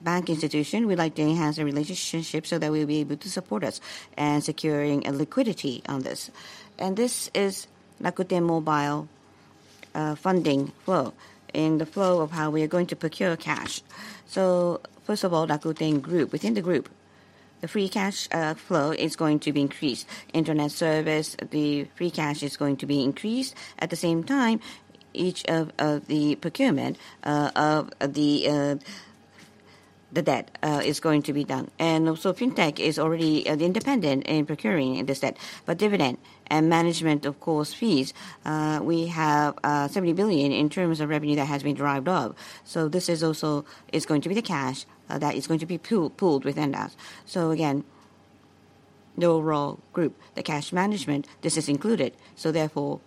[SPEAKER 2] bank institution, we'd like to enhance the relationship so that we'll be able to support us in securing a liquidity on this. This is Rakuten Mobile funding flow, and the flow of how we are going to procure cash. First of all, Rakuten Group. Within the group, the free cash flow is going to be increased. Internet service, the free cash is going to be increased. At the same time, each of the procurement of the debt is going to be done. Also, fintech is already independent in procuring this debt. Dividend and management, of course, fees, we have 70 billion in terms of revenue that has been derived of. This is also is going to be the cash that is going to be pooled within us. Again, the overall group, the cash management, this is included. Therefore,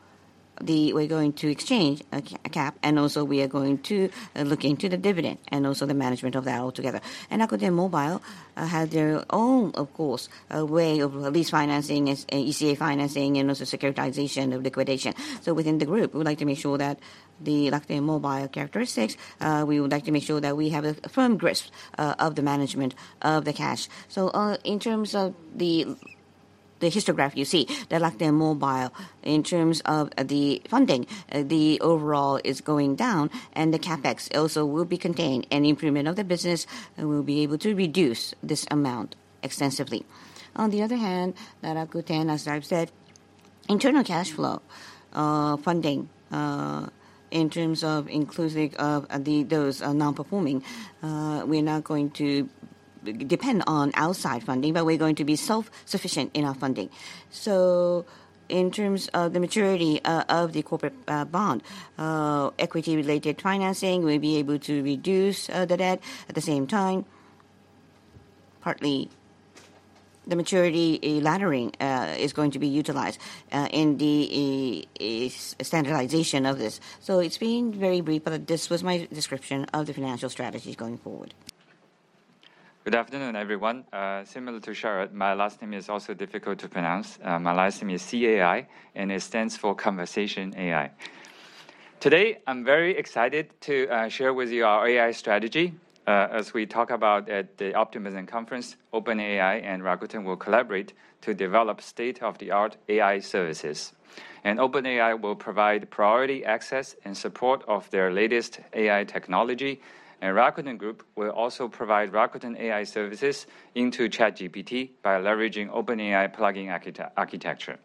[SPEAKER 2] we're going to exchange CapEx, and also we are going to look into the dividend, and also the management of that altogether. Rakuten Mobile have their own, of course, a way of lease financing, as ECA financing, and also securitization of liquidation. Within the group, we would like to make sure that the Rakuten Mobile characteristics, we would like to make sure that we have a firm grasp of the management of the cash. In terms of the, the histogram, you see the Rakuten Mobile, in terms of the funding, the overall is going down, and the CapEx also will be contained. Improvement of the business will be able to reduce this amount extensively. On the other hand, the Rakuten, as I've said, internal cash flow, funding, in terms of inclusive of, the those, non-performing, we're not going to depend on outside funding, but we're going to be self-sufficient in our funding. In terms of the maturity of the corporate, bond, equity-related financing, we'll be able to reduce the debt. At the same time, partly the maturity, laddering, is going to be utilized in the standardization of this. It's been very brief, but this was my description of the financial strategy going forward.
[SPEAKER 3] Good afternoon, everyone. Similar to Sharad, my last name is also difficult to pronounce. My last name is Cai. It stands for Conversation AI. Today, I'm very excited to share with you our AI strategy. As we talk about at the Rakuten Optimism Conference, OpenAI and Rakuten will collaborate to develop state-of-the-art AI services. OpenAI will provide priority access and support of their latest AI technology, and Rakuten Group will also provide Rakuten AI services into ChatGPT by leveraging OpenAI plugin architecture.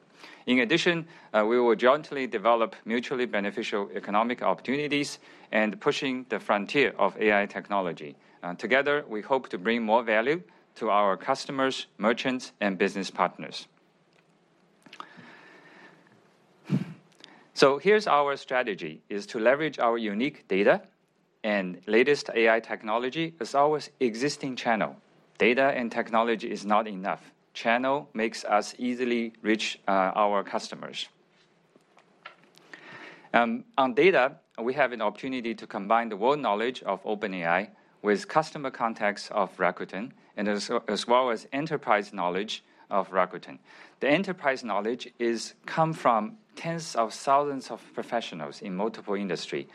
[SPEAKER 3] In addition, we will jointly develop mutually beneficial economic opportunities and pushing the frontier of AI technology. Together, we hope to bring more value to our customers, merchants, and business partners.
[SPEAKER 7] Here's our strategy, is to leverage our unique data and latest AI technology as our existing channel. Data and technology is not enough. Channel makes us easily reach our customers. On data, we have an opportunity to combine the world knowledge of OpenAI with customer contacts of Rakuten, as well as enterprise knowledge of Rakuten. The enterprise knowledge is come from tens of thousands of professionals in multiple industry.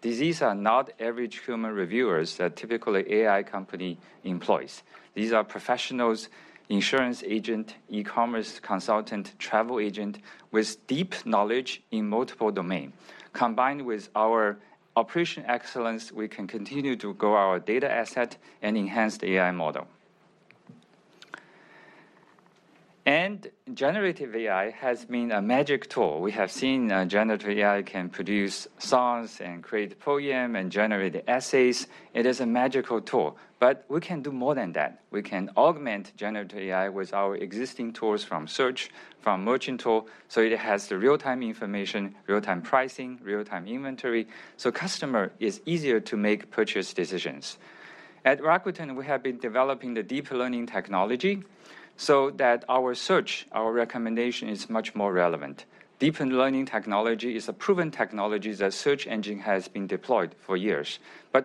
[SPEAKER 7] These are not average human reviewers that typically AI company employs. These are professionals, insurance agent, e-commerce consultant, travel agent, with deep knowledge in multiple domain. Combined with our operation excellence, we can continue to grow our data asset and enhance the AI model. Generative AI has been a magic tool. We have seen generative AI can produce songs, and create poem, and generate essays. It is a magical tool. We can do more than that. We can augment generative AI with our existing tools from search, from merchant tool, so it has the real-time information, real-time pricing, real-time inventory, so customer is easier to make purchase decisions. At Rakuten, we have been developing the deep learning technology so that our search, our recommendation, is much more relevant. Deep learning technology is a proven technology that search engine has been deployed for years.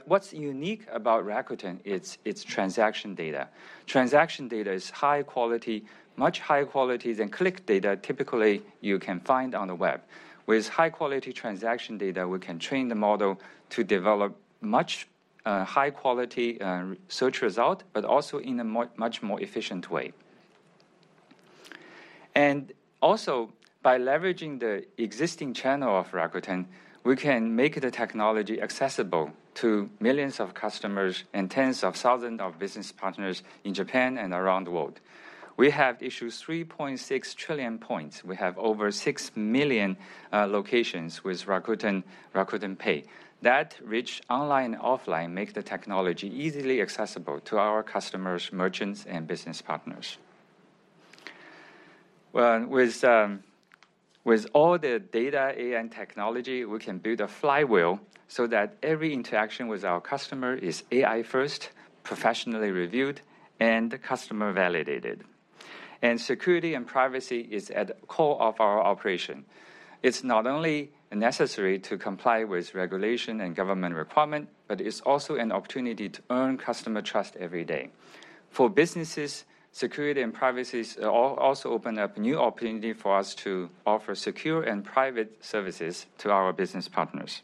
[SPEAKER 7] What's unique about Rakuten, it's its transaction data. Transaction data is high quality, much higher quality than click data typically you can find on the web. With high-quality transaction data, we can train the model to develop much high-quality search result, but also in a more, much more efficient way. Also, by leveraging the existing channel of Rakuten, we can make the technology accessible to millions of customers and tens of thousands of business partners in Japan and around the world. We have issued 3.6 trillion points. We have over 6 million locations with Rakuten, Rakuten Pay. That rich online, offline, make the technology easily accessible to our customers, merchants, and business partners. With all the data, AI, and technology, we can build a flywheel so that every interaction with our customer is AI first, professionally reviewed, and customer validated. Security and privacy is at the core of our operation. It's not only necessary to comply with regulation and government requirement, but it's also an opportunity to earn customer trust every day. For businesses, security and privacy is also open up new opportunity for us to offer secure and private services to our business partners.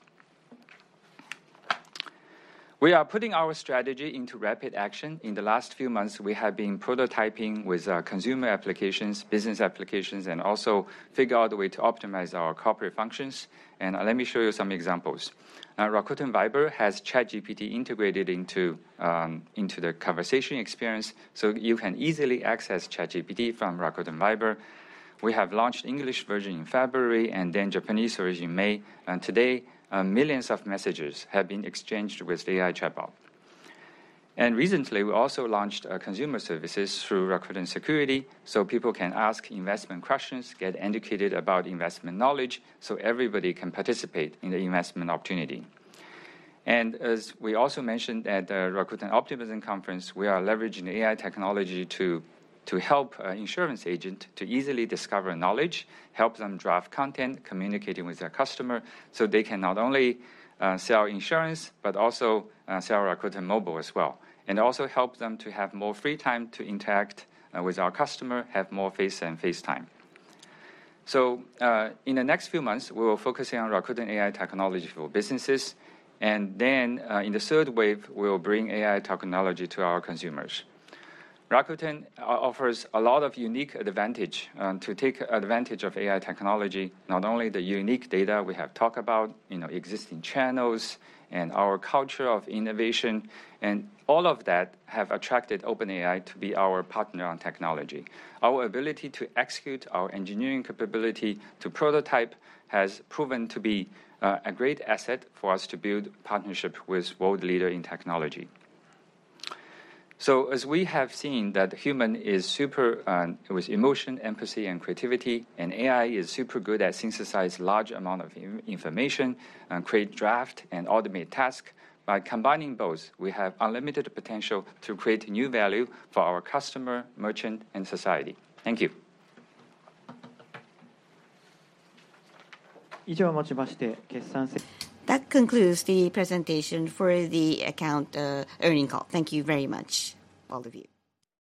[SPEAKER 7] We are putting our strategy into rapid action. In the last few months, we have been prototyping with consumer applications, business applications, and also figure out a way to optimize our corporate functions. Let me show you some examples. Now, Rakuten Viber has ChatGPT integrated into their conversation experience, so you can easily access ChatGPT from Rakuten Viber. We have launched English version in February, then Japanese version in May, today millions of messages have been exchanged with AI chatbot. Recently, we also launched consumer services through Rakuten Securities, so people can ask investment questions, get educated about investment knowledge, so everybody can participate in the investment opportunity. As we also mentioned at the Rakuten Optimism Conference, we are leveraging AI technology to help insurance agent to easily discover knowledge, help them draft content, communicating with their customer, so they can not only sell insurance, but also sell Rakuten Mobile as well. Also help them to have more free time to interact with our customer, have more face-and-face time. In the next few months, we will focusing on Rakuten AI technology for businesses, and then in the third wave, we will bring AI technology to our consumers. Rakuten offers a lot of unique advantage to take advantage of AI technology. Not only the unique data we have talked about, you know, existing channels and our culture of innovation, and all of that have attracted OpenAI to be our partner on technology. Our ability to execute our engineering capability to prototype has proven to be a great asset for us to build partnership with world leader in technology. As we have seen, that human is super, with emotion, empathy, and creativity, and AI is super good at synthesize large amount of information, and create draft, and automate task. By combining both, we have unlimited potential to create new value for our customer, merchant, and society. Thank you.
[SPEAKER 1] That concludes the presentation for the account, earnings call. Thank you very much, all of you.